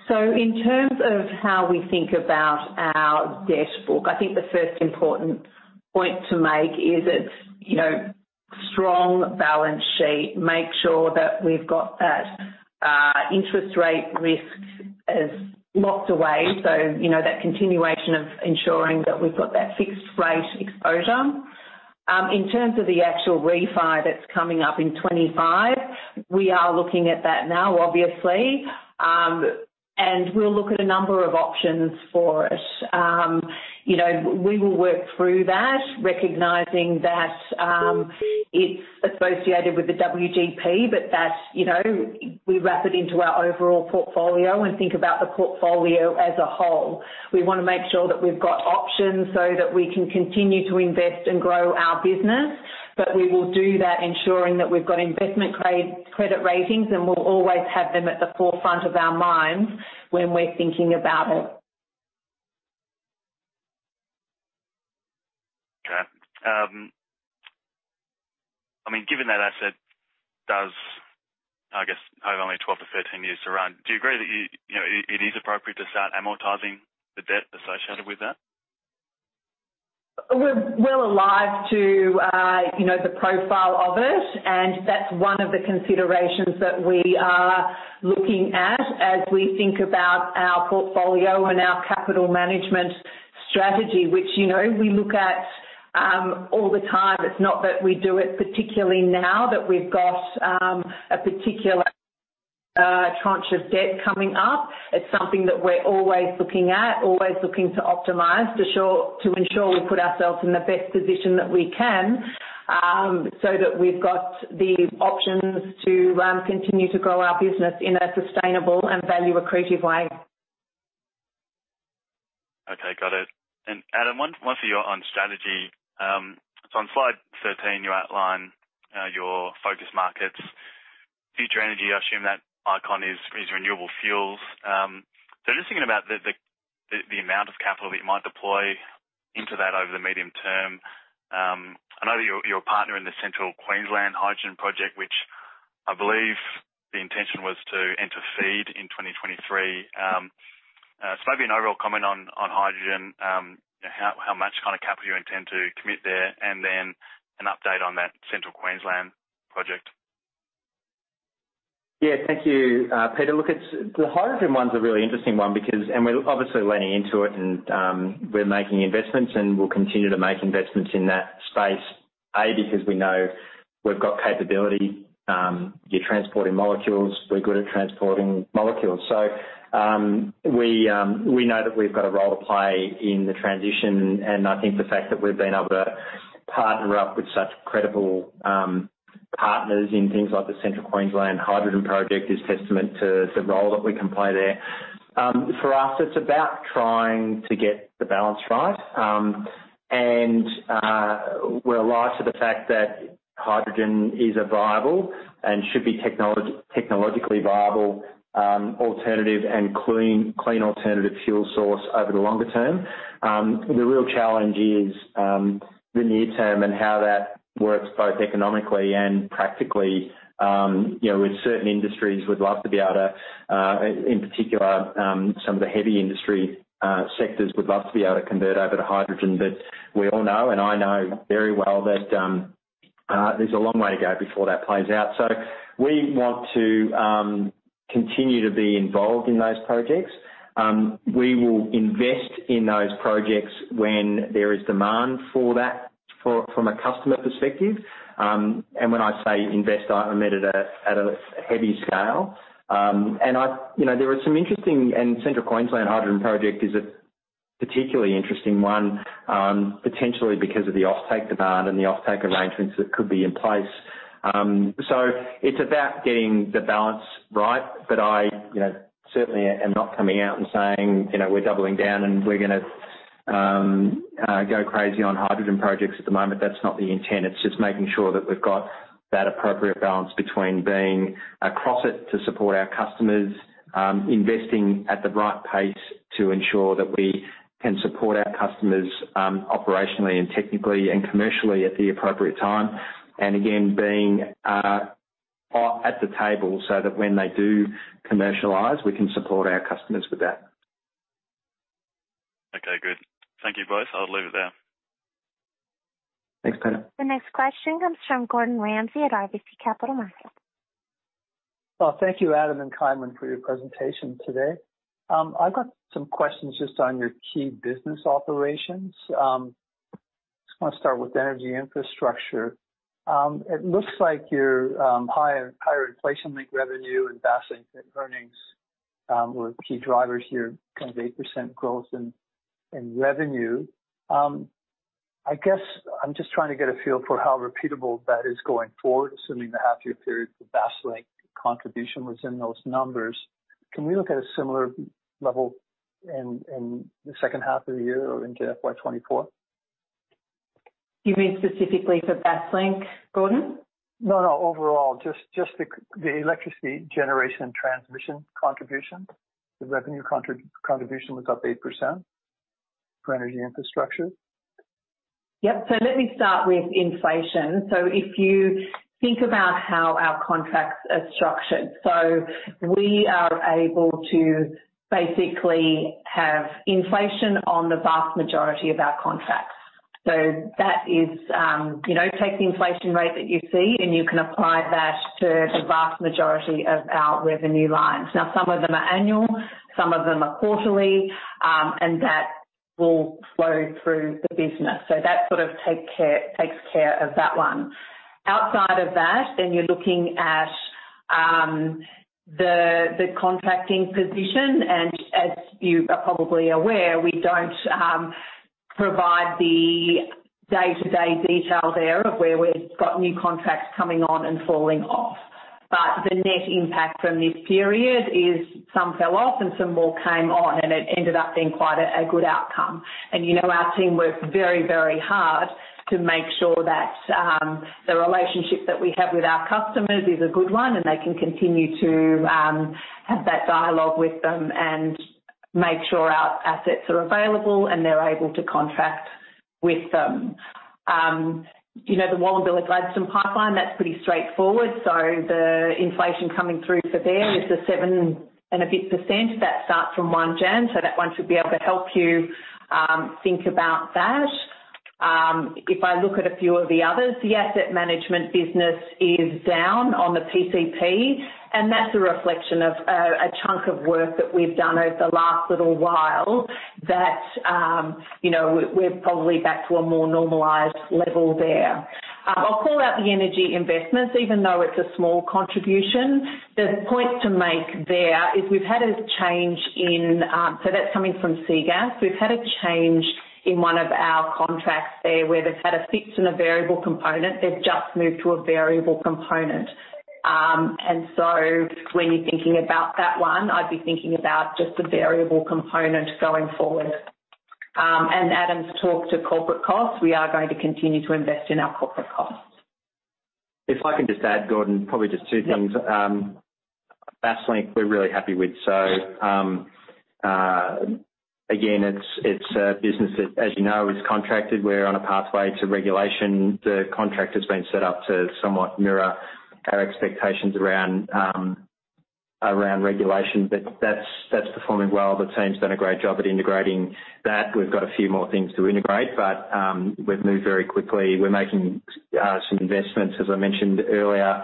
In terms of how we think about our debt book, I think the first important point to make is it's, you know, strong balance sheet, make sure that we've got that interest rate risk is locked away. You know, that continuation of ensuring that we've got that fixed rate exposure. In terms of the actual refi that's coming up in 2025, we are looking at that now, obviously. We'll look at a number of options for it. You know, we will work through that, recognizing that it's associated with the WGP, but that, you know, we wrap it into our overall portfolio and think about the portfolio as a whole. We wanna make sure that we've got options so that we can continue to invest and grow our business. We will do that ensuring that we've got investment grade credit ratings, and we'll always have them at the forefront of our minds when we're thinking about it. I mean, given that asset does, I guess, have only 12 years-13 years to run, do you agree that you know, it is appropriate to start amortizing the debt associated with that? We're well alive to, you know, the profile of it. That's one of the considerations that we are looking at as we think about our portfolio and our capital management strategy, which, you know, we look at all the time. It's not that we do it, particularly now that we've got a particular tranche of debt coming up. It's something that we're always looking at, always looking to optimize to ensure we put ourselves in the best position that we can, so that we've got the options to continue to grow our business in a sustainable and value-accretive way. Okay, got it. Adam, one for you on strategy. On slide 13, you outline your focus markets. Future energy, I assume that icon is renewable fuels. Just thinking about the amount of capital that you might deploy into that over the medium term. I know you're a partner in the Central Queensland Hydrogen Project, which I believe the intention was to enter FEED in 2023. Maybe an overall comment on hydrogen, how much kinda capital you intend to commit there, and then an update on that Central Queensland Project. Yeah. Thank you, Peter. Look, the hydrogen one's a really interesting one because we're obviously leaning into it and we're making investments, and we'll continue to make investments in that space. Because we know we've got capability, you're transporting molecules, we're good at transporting molecules. We know that we've got a role to play in the transition, and I think the fact that we've been able to partner up with such credible partners in things like the Central Queensland Hydrogen Project is testament to the role that we can play there. For us, it's about trying to get the balance right. We're alive to the fact that hydrogen is a viable and should be technologically viable alternative and clean alternative fuel source over the longer term. The real challenge is the near term and how that works both economically and practically. With certain industries, we'd love to be able to, in particular, some of the heavy industry sectors would love to be able to convert over to hydrogen. We all know, and I know very well that there's a long way to go before that plays out. We want to continue to be involved in those projects. We will invest in those projects when there is demand for that from a customer perspective. When I say invest, I meant at a heavy scale. You know, there are some interesting, Central Queensland Hydrogen Project is a particularly interesting one, potentially because of the offtake demand and the offtake arrangements that could be in place. It's about getting the balance right. I, you know, certainly am not coming out and saying, you know, we're doubling down and we're gonna go crazy on hydrogen projects at the moment. That's not the intent. It's just making sure that we've got that appropriate balance between being across it to support our customers, investing at the right pace to ensure that we can support our customers, operationally and technically and commercially at the appropriate time. Again, being at the table so that when they do commercialize, we can support our customers with that. Okay, good. Thank you both. I'll leave it there. Thanks, Peter. The next question comes from Gordon Ramsay at RBC Capital Markets. Well, thank you, Adam and Kynwynn, for your presentation today. I've got some questions just on your key business operations. Just wanna start with energy infrastructure. It looks like your higher inflation-linked revenue and Basslink earnings, were key drivers here, kind of 8% growth in revenue. I guess I'm just trying to get a feel for how repeatable that is going forward, assuming the half year period for Basslink contribution was in those numbers. Can we look at a similar level in the second half of the year or into FY 2024? You mean specifically for Basslink, Gordon? No, no, overall, just the electricity generation and transmission contribution. The revenue contribution was up 8% for energy infrastructure. Yep. Let me start with inflation. If you think about how our contracts are structured, we are able to basically have inflation on the vast majority of our contracts. That is, you know, take the inflation rate that you see, and you can apply that to the vast majority of our revenue lines. Some of them are annual, some of them are quarterly, and that will flow through the business. That sort of takes care of that one. Outside of that, you're looking at the contracting position. As you are probably aware, we don't provide the day-to-day detail there of where we've got new contracts coming on and falling off. The net impact from this period is some fell off and some more came on, and it ended up being quite a good outcome. You know, our team worked very, very hard to make sure that the relationship that we have with our customers is a good one and they can continue to have that dialogue with them and make sure our assets are available and they're able to contract with them. You know, the Wallumbilla Gladstone Pipeline, that's pretty straightforward. The inflation coming through for there is the 7% and a bit percent that starts from 1 Jan, so that one should be able to help you think about that. If I look at a few of the others, the Asset Management business is down on the PCP, and that's a reflection of a chunk of work that we've done over the last little while that, you know, we're probably back to a more normalized level there. I'll call out the energy investments, even though it's a small contribution. The point to make there is we've had a change in, so that's coming from SEA Gas. We've had a change in one of our contracts there where they've had a fixed and a variable component. They've just moved to a variable component. When you're thinking about that one, I'd be thinking about just the variable component going forward. Adam's talked to corporate costs. We are going to continue to invest in our corporate costs. If I can just add, Gordon, probably just two things. Basslink we're really happy with. Again, it's a business that, as you know, is contracted. We're on a pathway to regulation. The contract has been set up to somewhat mirror our expectations around regulation. That's, that's performing well. The team's done a great job at integrating that. We've got a few more things to integrate, but we've moved very quickly. We're making some investments, as I mentioned earlier,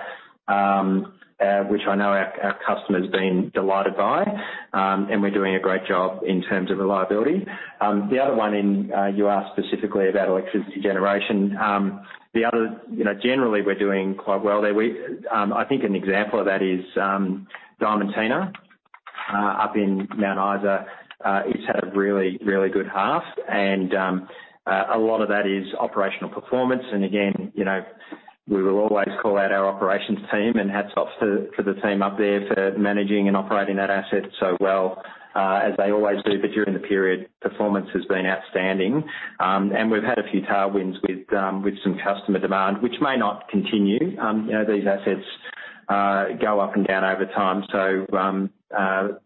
which I know our customer's been delighted by, and we're doing a great job in terms of reliability. The other one in, you asked specifically about electricity generation. The other, you know, generally we're doing quite well there. We, I think an example of that is Diamantina up in Mount Isa, it's had a really, really good half and a lot of that is operational performance. Again, you know, we will always call out our operations team and hats off to the team up there for managing and operating that asset so well as they always do. During the period, performance has been outstanding. And we've had a few tailwinds with some customer demand, which may not continue. You know, these assets go up and down over time.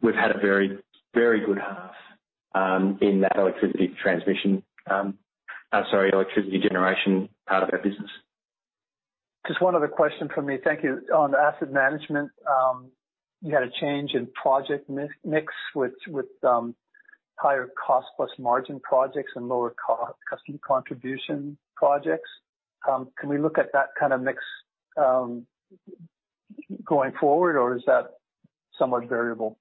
We've had a very, very good half in that electricity transmission, sorry, electricity generation part of our business. Just one other question from me. Thank you. On asset management, you had a change in project mix with higher cost plus margin projects and lower custom contribution projects. Can we look at that kinda mix going forward, or is that somewhat variable?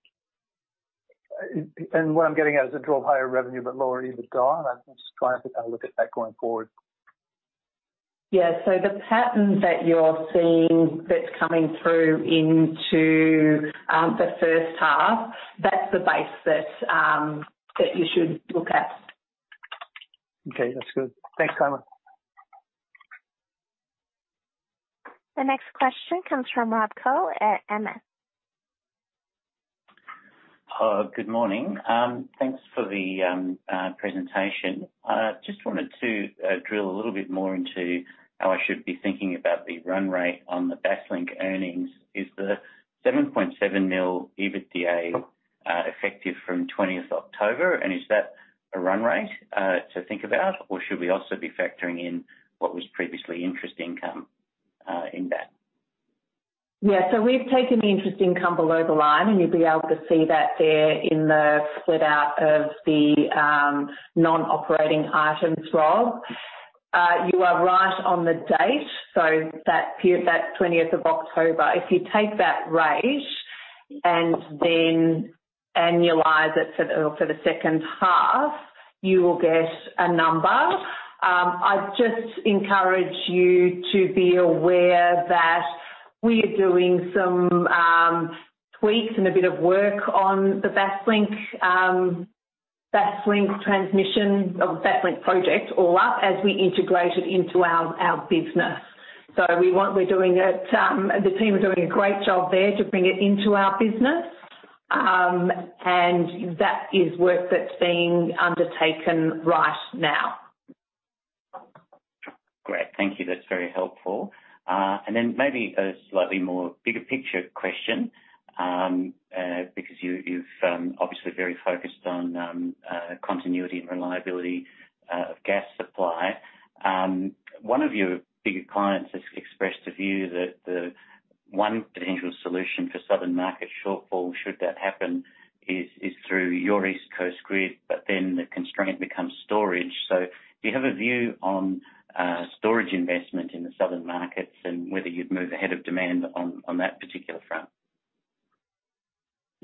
What I'm getting at, does it drive higher revenue but lower EBITDA? I'm just trying to kinda look at that going forward. Yeah. The pattern that you're seeing that's coming through into, the first half, that's the base that you should look at. Okay, that's good. Thanks, Kynwynn. The next question comes from Rob Koh at MS. Good morning. Thanks for the presentation. Just wanted to drill a little bit more into how I should be thinking about the run rate on the Basslink earnings. Is the 7.7 million EBITDA effective from 20th October, and is that a run rate to think about, or should we also be factoring in what was previously interest income in that? We've taken the interest income below the line, and you'll be able to see that there in the split out of the non-operating items, Rob. You are right on the date, so that 20th of October. If you take that rate and then annualize it for the, for the second half, you will get a number. I just encourage you to be aware that we are doing some tweaks and a bit of work on the Basslink transmission of Basslink project all up as we integrate it into our business. The team are doing a great job there to bring it into our business, and that is work that's being undertaken right now. Thank you. That's very helpful. Then maybe a slightly more bigger picture question, because you've obviously very focused on continuity and reliability of gas supply. One of your bigger clients has expressed a view that the one potential solution for southern market shortfall, should that happen, is through your East Coast Grid. The constraint becomes storage. Do you have a view on storage investment in the southern markets and whether you'd move ahead of demand on that particular front?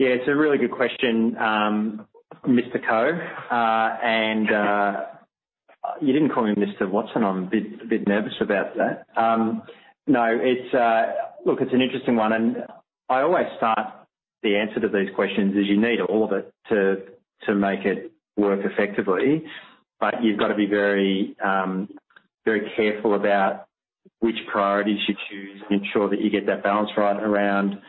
Yeah, it's a really good question, Mr. Koh. You didn't call me Mr. Watson. I'm a bit nervous about that. No, look, it's an interesting one, and I always start the answer to these questions is you need all of it to make it work effectively. You've got to be very, very careful about which priorities you choose and ensure that you get that balance right around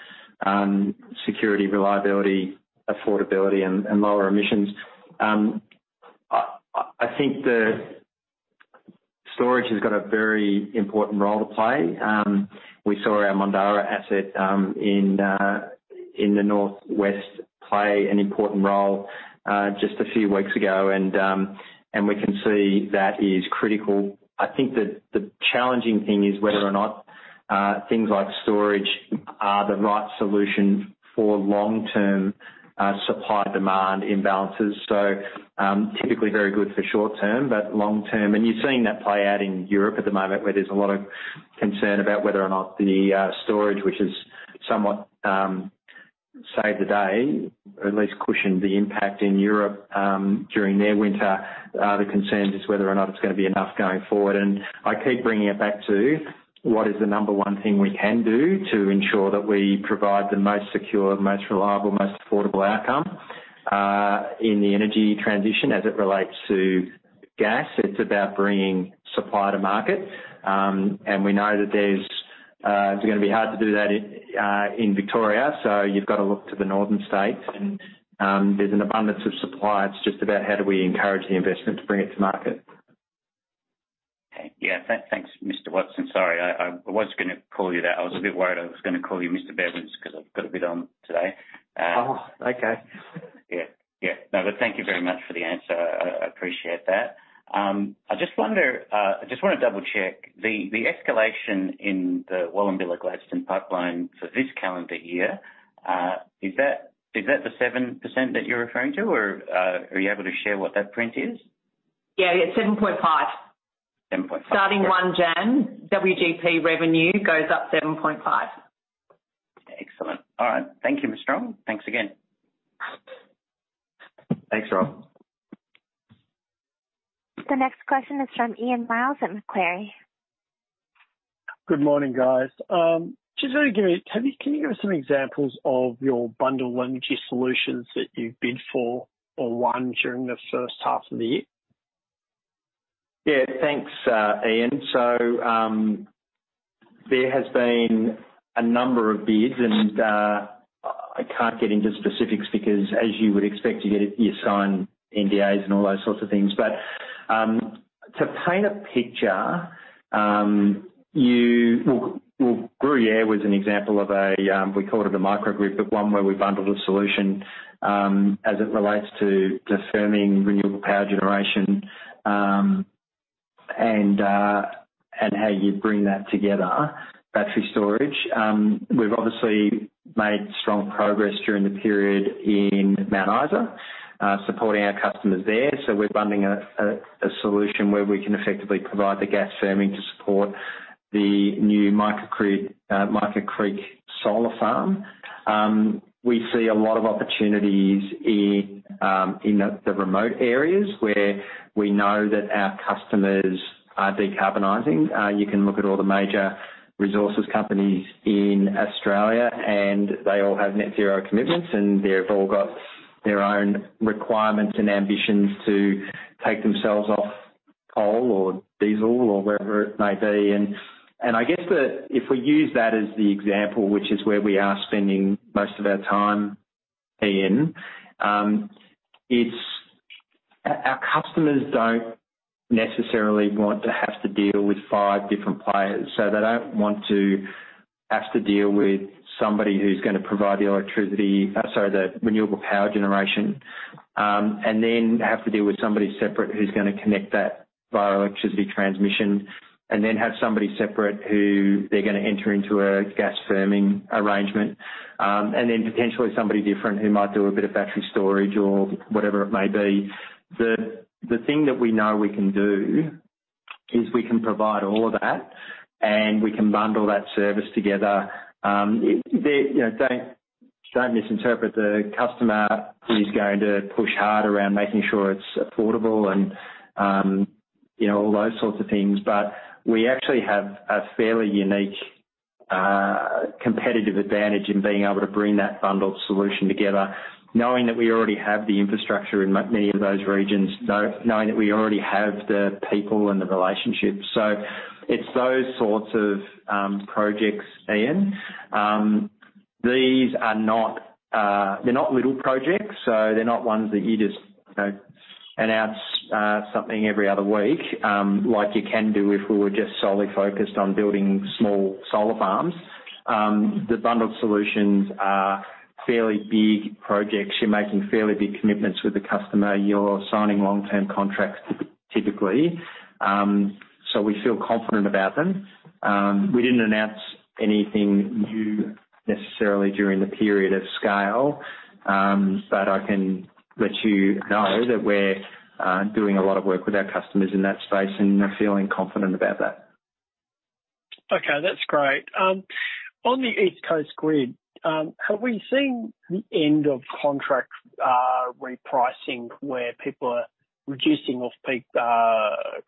security, reliability, affordability and lower emissions. I think the storage has got a very important role to play. We saw our Mondarra asset in the northwest play an important role just a few weeks ago. We can see that is critical. I think that the challenging thing is whether or not things like storage are the right solution for long-term supply-demand imbalances. Typically very good for short-term, but long-term, and you're seeing that play out in Europe at the moment, where there's a lot of concern about whether or not the storage, which is somewhat saved the day, at least cushioned the impact in Europe, during their winter. The concern is whether or not it's gonna be enough going forward. I keep bringing it back to what is the number one thing we can do to ensure that we provide the most secure, most reliable, most affordable outcome in the energy transition as it relates to gas. It's about bringing supply to market. We know that it's gonna be hard to do that in Victoria, so you've got to look to the northern states, and there's an abundance of supply. It's just about how do we encourage the investment to bring it to market. Yeah. Thanks, Mr. Watson. Sorry, I was gonna call you that. I was a bit worried I was gonna call you Mr. Bevan because I've got a bit on today. Oh, okay. Yeah. No, thank you very much for the answer. I appreciate that. I just wonder, I just want to double-check the escalation in the Wallumbilla Gladstone Pipeline for this calendar year. Is that the 7% that you're referring to, or are you able to share what that print is? Yeah. It's 7.5%. 7.5%. Starting 1 January, WGP revenue goes up 7.5%. Excellent. All right. Thank you, Ms. Strong. Thanks again. Thanks, Rob. The next question is from Ian Myles at Macquarie. Good morning, guys. Can you give us some examples of your bundle energy solutions that you've bid for or won during the first half of the year? Yeah, thanks, Ian. There has been a number of bids, and I can't get into specifics because as you would expect, you get, you sign NDAs and all those sorts of things. But to paint a picture, you. Well, Gruyere was an example of a, we called it a microgrid, but one where we bundled a solution, as it relates to firming renewable power generation, and how you bring that together, battery storage. We've obviously made strong progress during the period in Mount Isa, supporting our customers there. We're bundling a solution where we can effectively provide the gas firming to support the new Mica Creek, Mica Creek Solar Farm. We see a lot of opportunities in the remote areas where we know that our customers are decarbonizing. You can look at all the major resources companies in Australia, and they all have net zero commitments, and they've all got their own requirements and ambitions to take themselves off coal or diesel or wherever it may be. I guess if we use that as the example, which is where we are spending most of our time, Ian, our customers don't necessarily want to have to deal with five different players. They don't want to have to deal with somebody who's gonna provide the electricity, sorry, the renewable power generation, and then have to deal with somebody separate who's gonna connect that via electricity transmission, and then have somebody separate who they're gonna enter into a gas firming arrangement, and then potentially somebody different who might do a bit of battery storage or whatever it may be. The thing that we know we can do is we can provide all of that, and we can bundle that service together. There, you know, don't misinterpret, the customer is going to push hard around making sure it's affordable and, you know, all those sorts of things. We actually have a fairly unique competitive advantage in being able to bring that bundled solution together, knowing that we already have the infrastructure in many of those regions. Knowing that we already have the people and the relationships. It's those sorts of projects, Ian. These are not, they're not little projects, so they're not ones that you just, you know, announce something every other week, like you can do if we were just solely focused on building small solar farms. The bundled solutions are fairly big projects. You're making fairly big commitments with the customer. You're signing long-term contracts typically. We feel confident about them. We didn't announce anything new necessarily during the period of scale. I can let you know that we're doing a lot of work with our customers in that space, and feeling confident about that. Okay, that's great. On the East Coast Grid, have we seen the end of contract repricing where people are reducing off-peak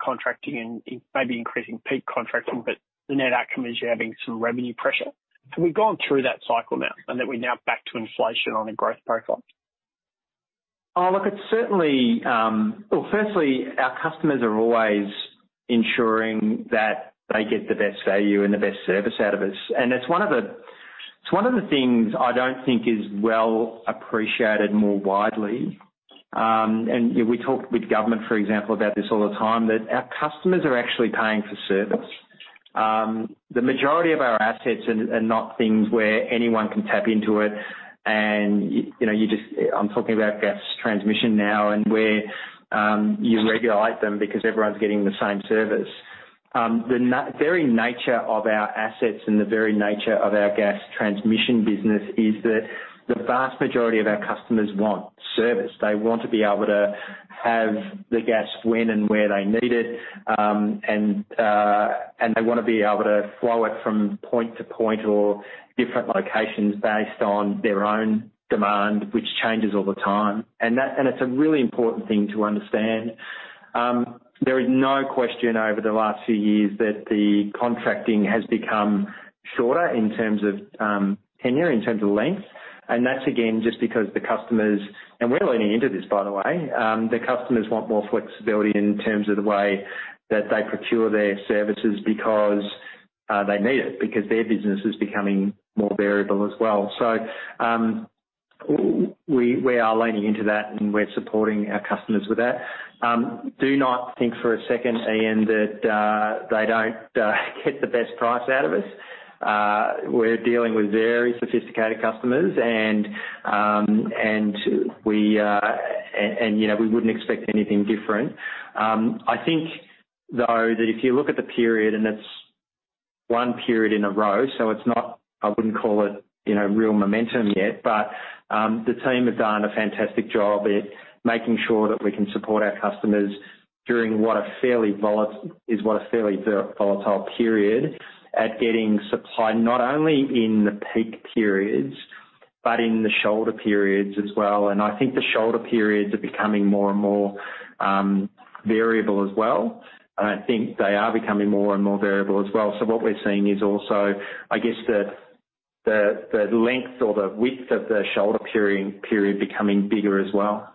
contracting and maybe increasing peak contracting, but the net outcome is you're having some revenue pressure? Have we gone through that cycle now, and that we're now back to inflation on a growth profile? Firstly, our customers are always ensuring that they get the best value and the best service out of us. It's one of the things I don't think is well appreciated more widely, and, you know, we talk with government, for example, about this all the time, that our customers are actually paying for service. The majority of our assets are not things where anyone can tap into it and, you know, I'm talking about gas transmission now and where you regulate them because everyone's getting the same service. The very nature of our assets and the very nature of our Gas Transmission business is that the vast majority of our customers want service. They want to be able to have the gas when and where they need it, and they want to be able to flow it from point to point or different locations based on their own demand, which changes all the time. That, it's a really important thing to understand. There is no question over the last few years that the contracting has become shorter in terms of tenure, in terms of length. That's again, just because the customers, and we're leaning into this, by the way, the customers want more flexibility in terms of the way that they procure their services because they need it, because their business is becoming more variable as well. We are leaning into that and we're supporting our customers with that. Do not think for a second, Ian, that they don't get the best price out of us. We're dealing with very sophisticated customers and, you know, we wouldn't expect anything different. I think, though, that if you look at the period, and it's one period in a row, so it's not, I wouldn't call it, you know, real momentum yet. The team have done a fantastic job at making sure that we can support our customers during what a fairly volatile period at getting supply, not only in the peak periods, but in the shoulder periods as well. I think the shoulder periods are becoming more and more variable as well. I think they are becoming more and more variable as well. What we're seeing is also, I guess, the length or the width of the shoulder period becoming bigger as well.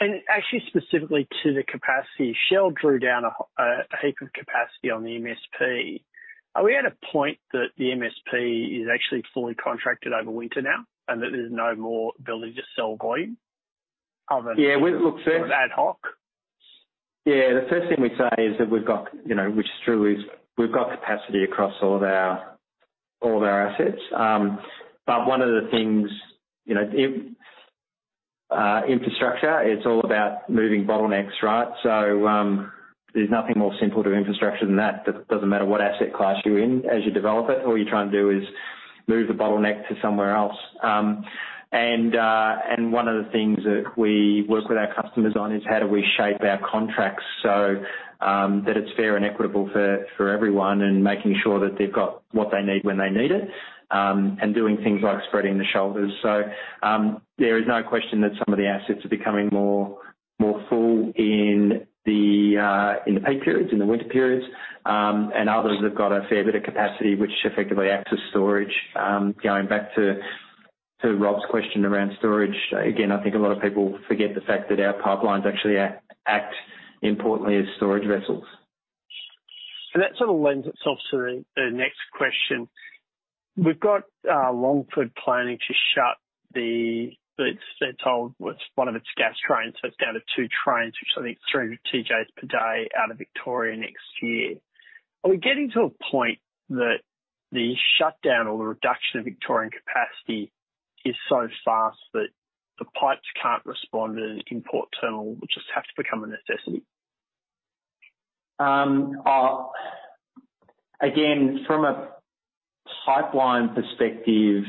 Actually specifically to the capacity, Shell drew down a heap of capacity on the MSP. Are we at a point that the MSP is actually fully contracted over winter now and that there's no more ability to sell volume other than? Yeah, we've looked. ad hoc? The first thing we'd say is that we've got, you know, which is true, is we've got capacity across all of our assets. One of the things, you know, if infrastructure, it's all about moving bottlenecks, right? There's nothing more simple to infrastructure than that. It doesn't matter what asset class you're in, as you develop it, all you're trying to do is move the bottleneck to somewhere else. One of the things that we work with our customers on is how do we shape our contracts so that it's fair and equitable for everyone, and making sure that they've got what they need when they need it, and doing things like spreading the shoulders. There is no question that some of the assets are becoming more full in the peak periods, in the winter periods, and others have got a fair bit of capacity which effectively act as storage. Going back to Rob's question around storage, again, I think a lot of people forget the fact that our pipelines actually act importantly as storage vessels. That sort of lends itself to the next question. We've got Longford planning. They've told what's one of its gas trains, so it's down to two trains. Which I think is 3 TJs per day out of Victoria next year. Are we getting to a point that the shutdown or the reduction of Victorian capacity is so fast that the pipes can't respond and import terminal will just have to become a necessity? Again, from a pipeline perspective,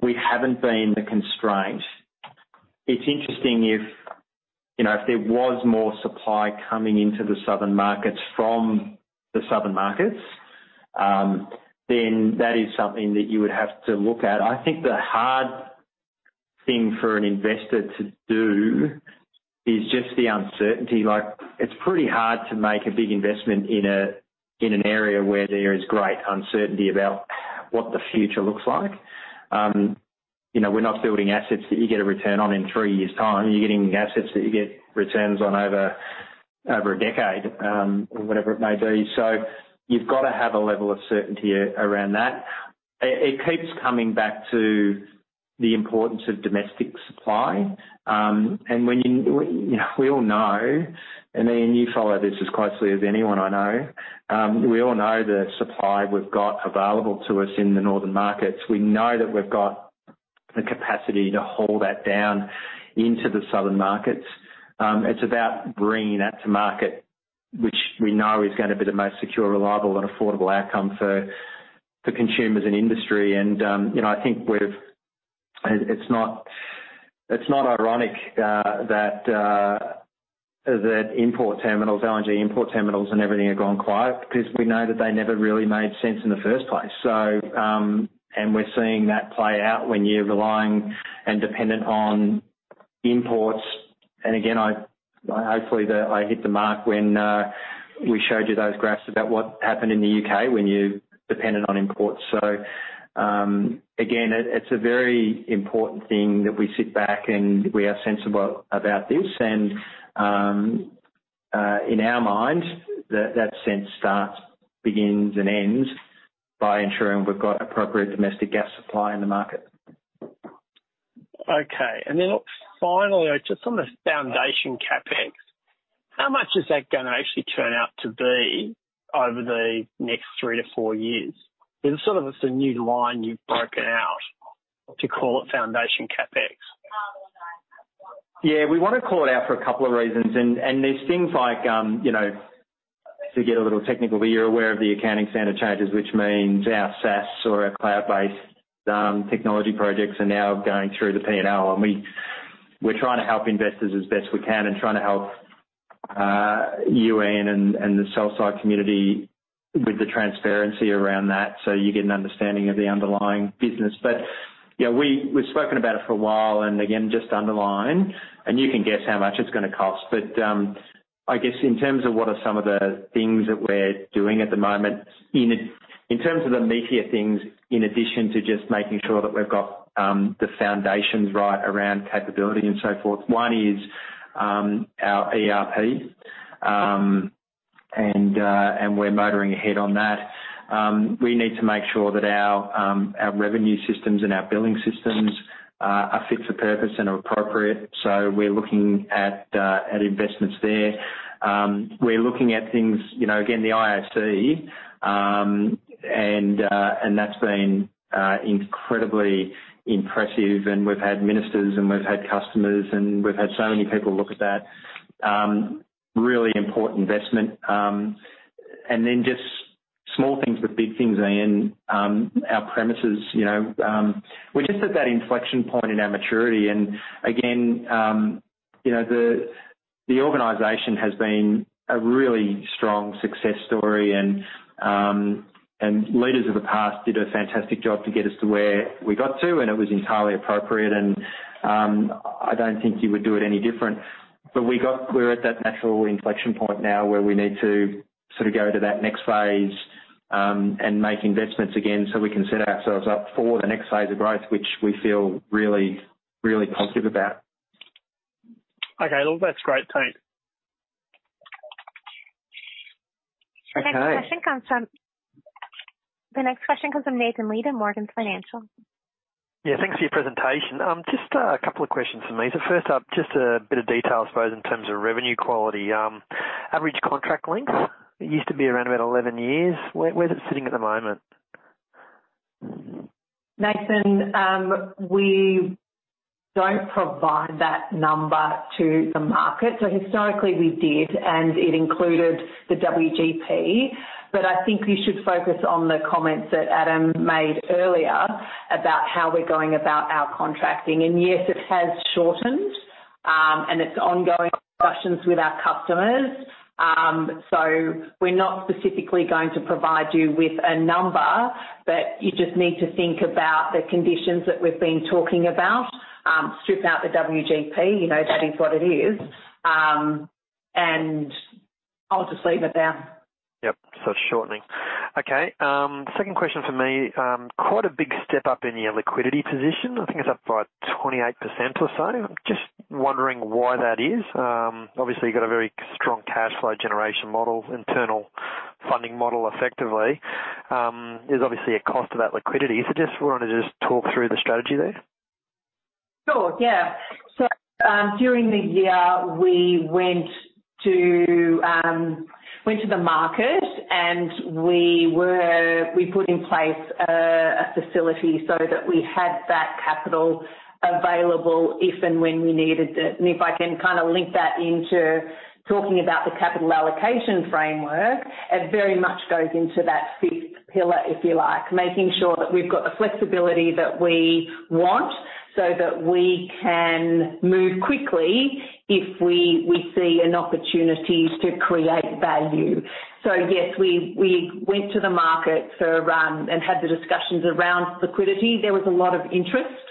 we haven't been the constraint. It's interesting if, you know, if there was more supply coming into the southern markets from the southern markets, then that is something that you would have to look at. I think the hard thing for an investor to do is just the uncertainty. Like, it's pretty hard to make a big investment in an area where there is great uncertainty about what the future looks like. You know, we're not building assets that you get a return on in three years' time. You're getting assets that you get returns on over a decade, or whatever it may be. You've got to have a level of certainty around that. It keeps coming back to the importance of domestic supply. When you, we all know, Ian, you follow this as closely as anyone I know. We all know the supply we've got available to us in the northern markets. We know that we've got the capacity to hold that down into the southern markets. It's about bringing that to market, which we know is going to be the most secure, reliable and affordable outcome for consumers and industry. You know, I think we've. It's not ironic that import terminals, LNG import terminals and everything have gone quiet because we know that they never really made sense in the first place. We're seeing that play out when you're relying and dependent on imports. Again, hopefully I hit the mark when we showed you those graphs about what happened in the U.K. when you depended on imports. Again, it's a very important thing that we sit back and we are sensible about this and in our minds, that sense starts, begins and ends by ensuring we've got appropriate domestic gas supply in the market. Okay. Then finally, just on the foundation CapEx, how much is that gonna actually turn out to be over the next three to four years? It's sort of a new line you've broken out to call it foundation CapEx. Yeah. We want to call it out for a couple of reasons. There's things like, you know, to get a little technical, you're aware of the accounting standard changes, which means our SaaS or our cloud-based technology projects are now going through the P&L. We're trying to help investors as best we can and trying to help you, Ian, and the sell-side community with the transparency around that so you get an understanding of the underlying business. Yeah, we've spoken about it for a while and again, just underline and you can guess how much it's going to cost. I guess in terms of what are some of the things that we're doing at the moment in terms of the meatier things, in addition to just making sure that we've got the foundations right around capability and so forth. One is our ERP, and we're motoring ahead on that. We need to make sure that our revenue systems and our billing systems are fit for purpose and are appropriate. We're looking at investments there. We're looking at things, you know, again, the IOC, and that's been incredibly impressive. We've had ministers and we've had customers and we've had so many people look at that really important investment. Then just small things but big things, Ian, our premises. You know, we're just at that inflection point in our maturity. Again, you know, the organization has been a really strong success story. Leaders of the past did a fantastic job to get us to where we got to, and it was entirely appropriate. I don't think you would do it any different. We're at that natural inflection point now where we need to sort of go to that next phase and make investments again so we can set ourselves up for the next phase of growth, which we feel really, really positive about. Okay, look, that's great, thanks. The next question comes from Nathan Lead, Morgans Financial. Thanks for your presentation. Just a couple of questions for me. First up, just a bit of detail, I suppose in terms of revenue quality, average contract length. It used to be around about 11 years. Where's it sitting at the moment? Nathan, we don't provide that number to the market. Historically we did, and it included the WGP. I think you should focus on the comments that Adam made earlier about how we're going about our contracting. Yes, it has shortened, and it's ongoing discussions with our customers. We're not specifically going to provide you with a number, but you just need to think about the conditions that we've been talking about. Strip out the WGP, you know, that is what it is. I'll just leave it there. Yep. shortening. Okay, second question for me. Quite a big step up in your liquidity position. I think it's up by 28% or so. I'm just wondering why that is. Obviously you've got a very strong cash flow generation model, internal funding model effectively. There's obviously a cost to that liquidity. Is it just want to just talk through the strategy there? Sure, yeah. During the year we went to the market and we put in place a facility so that we had that capital available if and when we needed it. If I can kind of link that into talking about the capital allocation framework, it very much goes into that fifth pillar, if you like, making sure that we've got the flexibility that we want so that we can move quickly if we see an opportunity to create value. Yes, we went to the market for and had the discussions around liquidity. There was a lot of interest,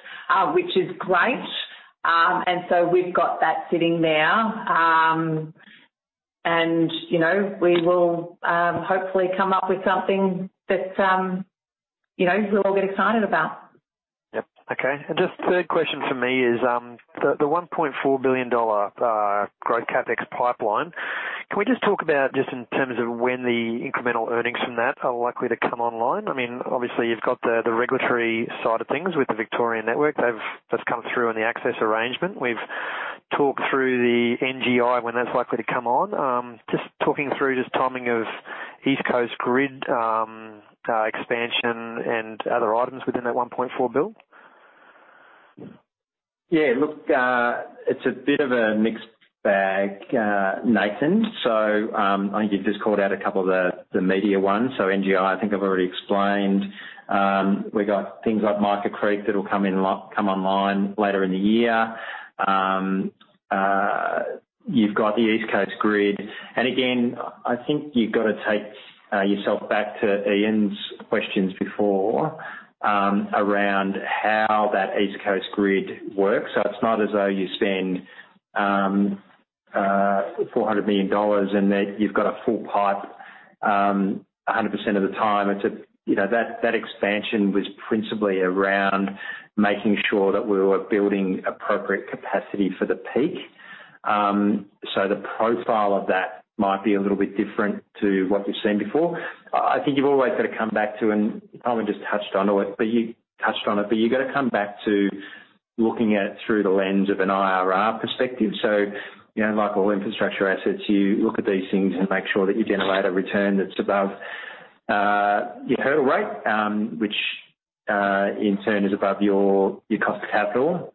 which is great. We've got that sitting there. You know, we will hopefully come up with something that, you know, you'll all get excited about. Yep. Okay. Just third question for me is the 1.4 billion dollar growth CapEx pipeline. Can we just talk about, just in terms of when the incremental earnings from that are likely to come online? I mean, obviously, you've got the regulatory side of things with the Victorian network. They've just come through in the access arrangement. We've talked through the NGI when that's likely to come on. Just talking through just timing of East Coast Grid expansion and other items within that 1.4 billion. Look, it's a bit of a mixed bag, Nathan. I think you've just called out a couple of the media ones. NGI, I think I've already explained. We got things like Mica Creek that'll come online later in the year. You've got the East Coast Grid. Again, I think you've gotta take yourself back to Ian's questions before, around how that East Coast Grid works. It's not as though you spend 400 million dollars and that you've got a full pipe 100% of the time. It's a, you know, that expansion was principally around making sure that we were building appropriate capacity for the peak. The profile of that might be a little bit different to what you've seen before. I think you've always gotta come back to, and Kynwynn just touched onto it, but you touched on it, but you gotta come back to looking at it through the lens of an IRR perspective. You know, like all infrastructure assets, you look at these things and make sure that you generate a return that's above your hurdle rate, which in turn is above your cost of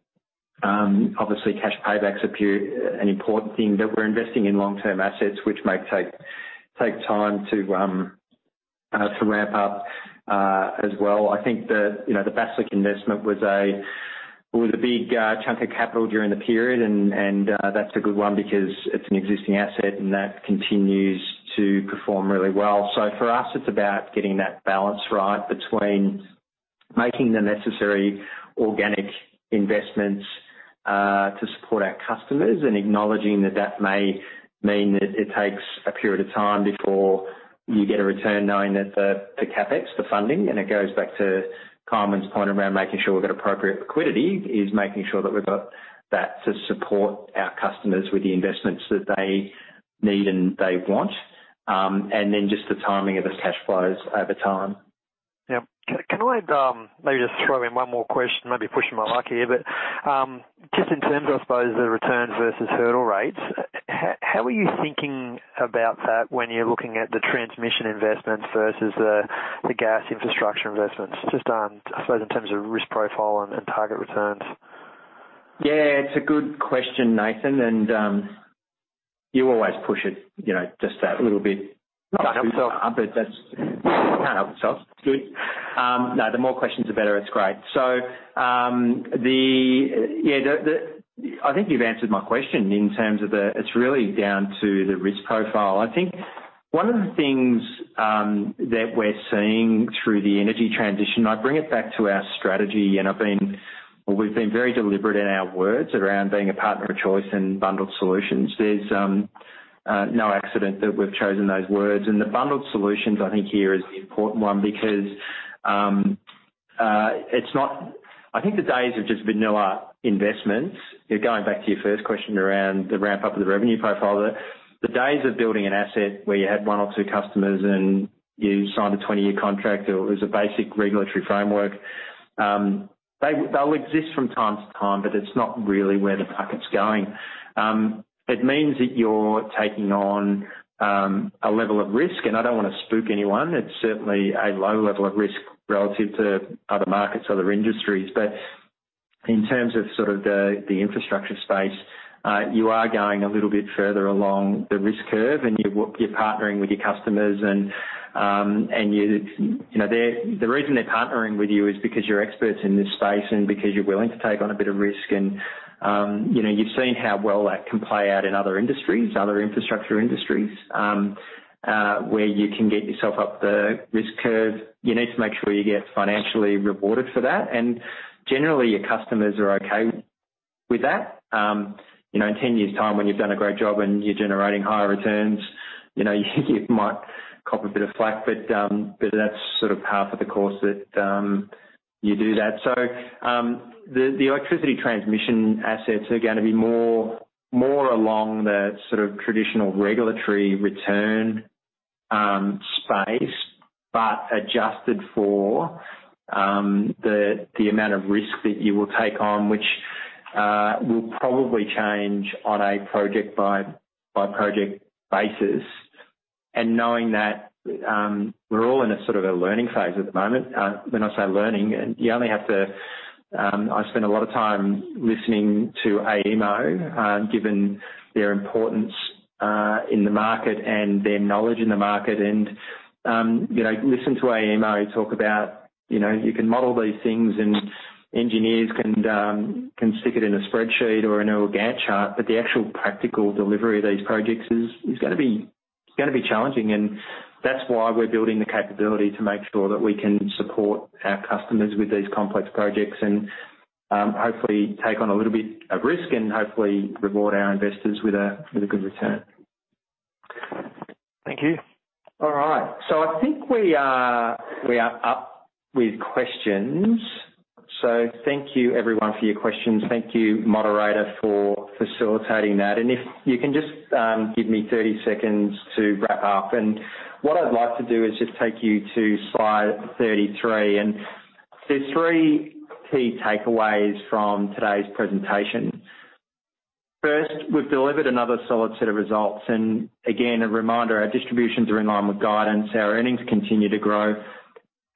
capital. Obviously cash payback's appear an important thing, but we're investing in long-term assets, which may take time to ramp up as well. I think the, you know, the Basslink investment was a big chunk of capital during the period. That's a good one because it's an existing asset, and that continues to perform really well. For us, it's about getting that balance right between making the necessary organic investments to support our customers and acknowledging that that may mean that it takes a period of time before you get a return knowing that the CapEx, the funding, and it goes back to Kynwynn's point around making sure we've got appropriate liquidity, is making sure that we've got that to support our customers with the investments that they need and they want, and then just the timing of the cash flows over time. Yeah. Can I, maybe just throw in one more question? Maybe pushing my luck here, but, just in terms of, I suppose, the returns versus hurdle rates, how are you thinking about that when you're looking at the transmission investments versus the gas infrastructure investments? Just, I suppose in terms of risk profile and target returns. Yeah, it's a good question, Nathan. you always push it, you know, just that little bit. Can't help yourself. That's can't help yourself. It's good. The more questions, the better. It's great. I think you've answered my question in terms of the, it's really down to the risk profile. I think one of the things that we're seeing through the energy transition, I bring it back to our strategy. Well, we've been very deliberate in our words around being a partner of choice in bundled solutions. There's no accident that we've chosen those words. The bundled solutions, I think here is the important one because I think the days of just vanilla investments, you're going back to your first question around the ramp-up of the revenue profile. The days of building an asset where you had one or two customers and you signed a 20-year contract or it was a basic regulatory framework, they'll exist from time to time, but it's not really where the bucket's going. It means that you're taking on a level of risk, and I don't wanna spook anyone. It's certainly a low level of risk relative to other markets, other industries. In terms of sort of the infrastructure space, you are going a little bit further along the risk curve, and you're partnering with your customers and you. You know, the reason they're partnering with you is because you're experts in this space and because you're willing to take on a bit of risk and, you know, you've seen how well that can play out in other industries, other infrastructure industries, where you can get yourself up the risk curve. You need to make sure you get financially rewarded for that. Generally, your customers are okay with that. You know, in 10 years' time, when you've done a great job and you're generating higher returns, you know, you might cop a bit of flak, but that's sort of par for the course that you do that. The electricity transmission assets are gonna be more along the sort of traditional regulatory return space, but adjusted for the amount of risk that you will take on, which will probably change on a project by project basis. Knowing that we're all in a sort of a learning phase at the moment, when I say learning, I've spent a lot of time listening to AEMO, given their importance in the market and their knowledge in the market. You know, listen to AEMO talk about, you know, you can model these things and engineers can stick it in a spreadsheet or in a Gantt chart, but the actual practical delivery of these projects is gonna be challenging. That's why we're building the capability to make sure that we can support our customers with these complex projects and hopefully take on a little bit of risk and hopefully reward our investors with a good return. Thank you. All right. I think we are up with questions. Thank you everyone for your questions. Thank you, moderator, for facilitating that. If you can just give me 30 seconds to wrap up. What I'd like to do is just take you to slide 33. There's three key takeaways from today's presentation. First, we've delivered another solid set of results. Again, a reminder, our distributions are in line with guidance. Our earnings continue to grow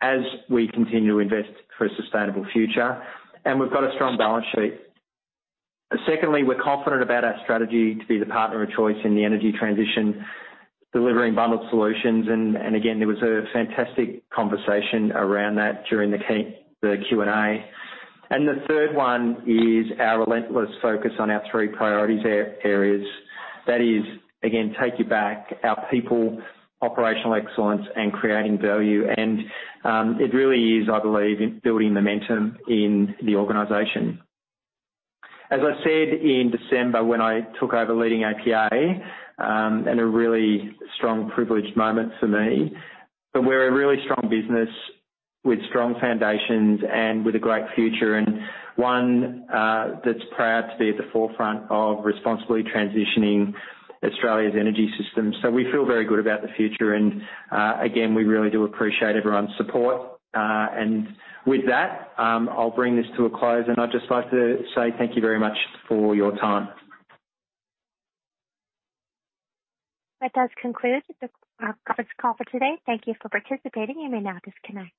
as we continue to invest for a sustainable future, and we've got a strong balance sheet. Secondly, we're confident about our strategy to be the partner of choice in the energy transition, delivering bundled solutions. Again, there was a fantastic conversation around that during the Q&A. The third one is our relentless focus on our three priority areas. That is, again, take you back, our people, operational excellence, and creating value. It really is, I believe, in building momentum in the organization. As I said in December when I took over leading APA, in a really strong privileged moment for me, but we're a really strong business with strong foundations and with a great future and one that's proud to be at the forefront of responsibly transitioning Australia's energy system. We feel very good about the future and, again, we really do appreciate everyone's support. With that, I'll bring this to a close, and I'd just like to say thank you very much for your time. That does conclude the conference call for today. Thank you for participating. You may now disconnect.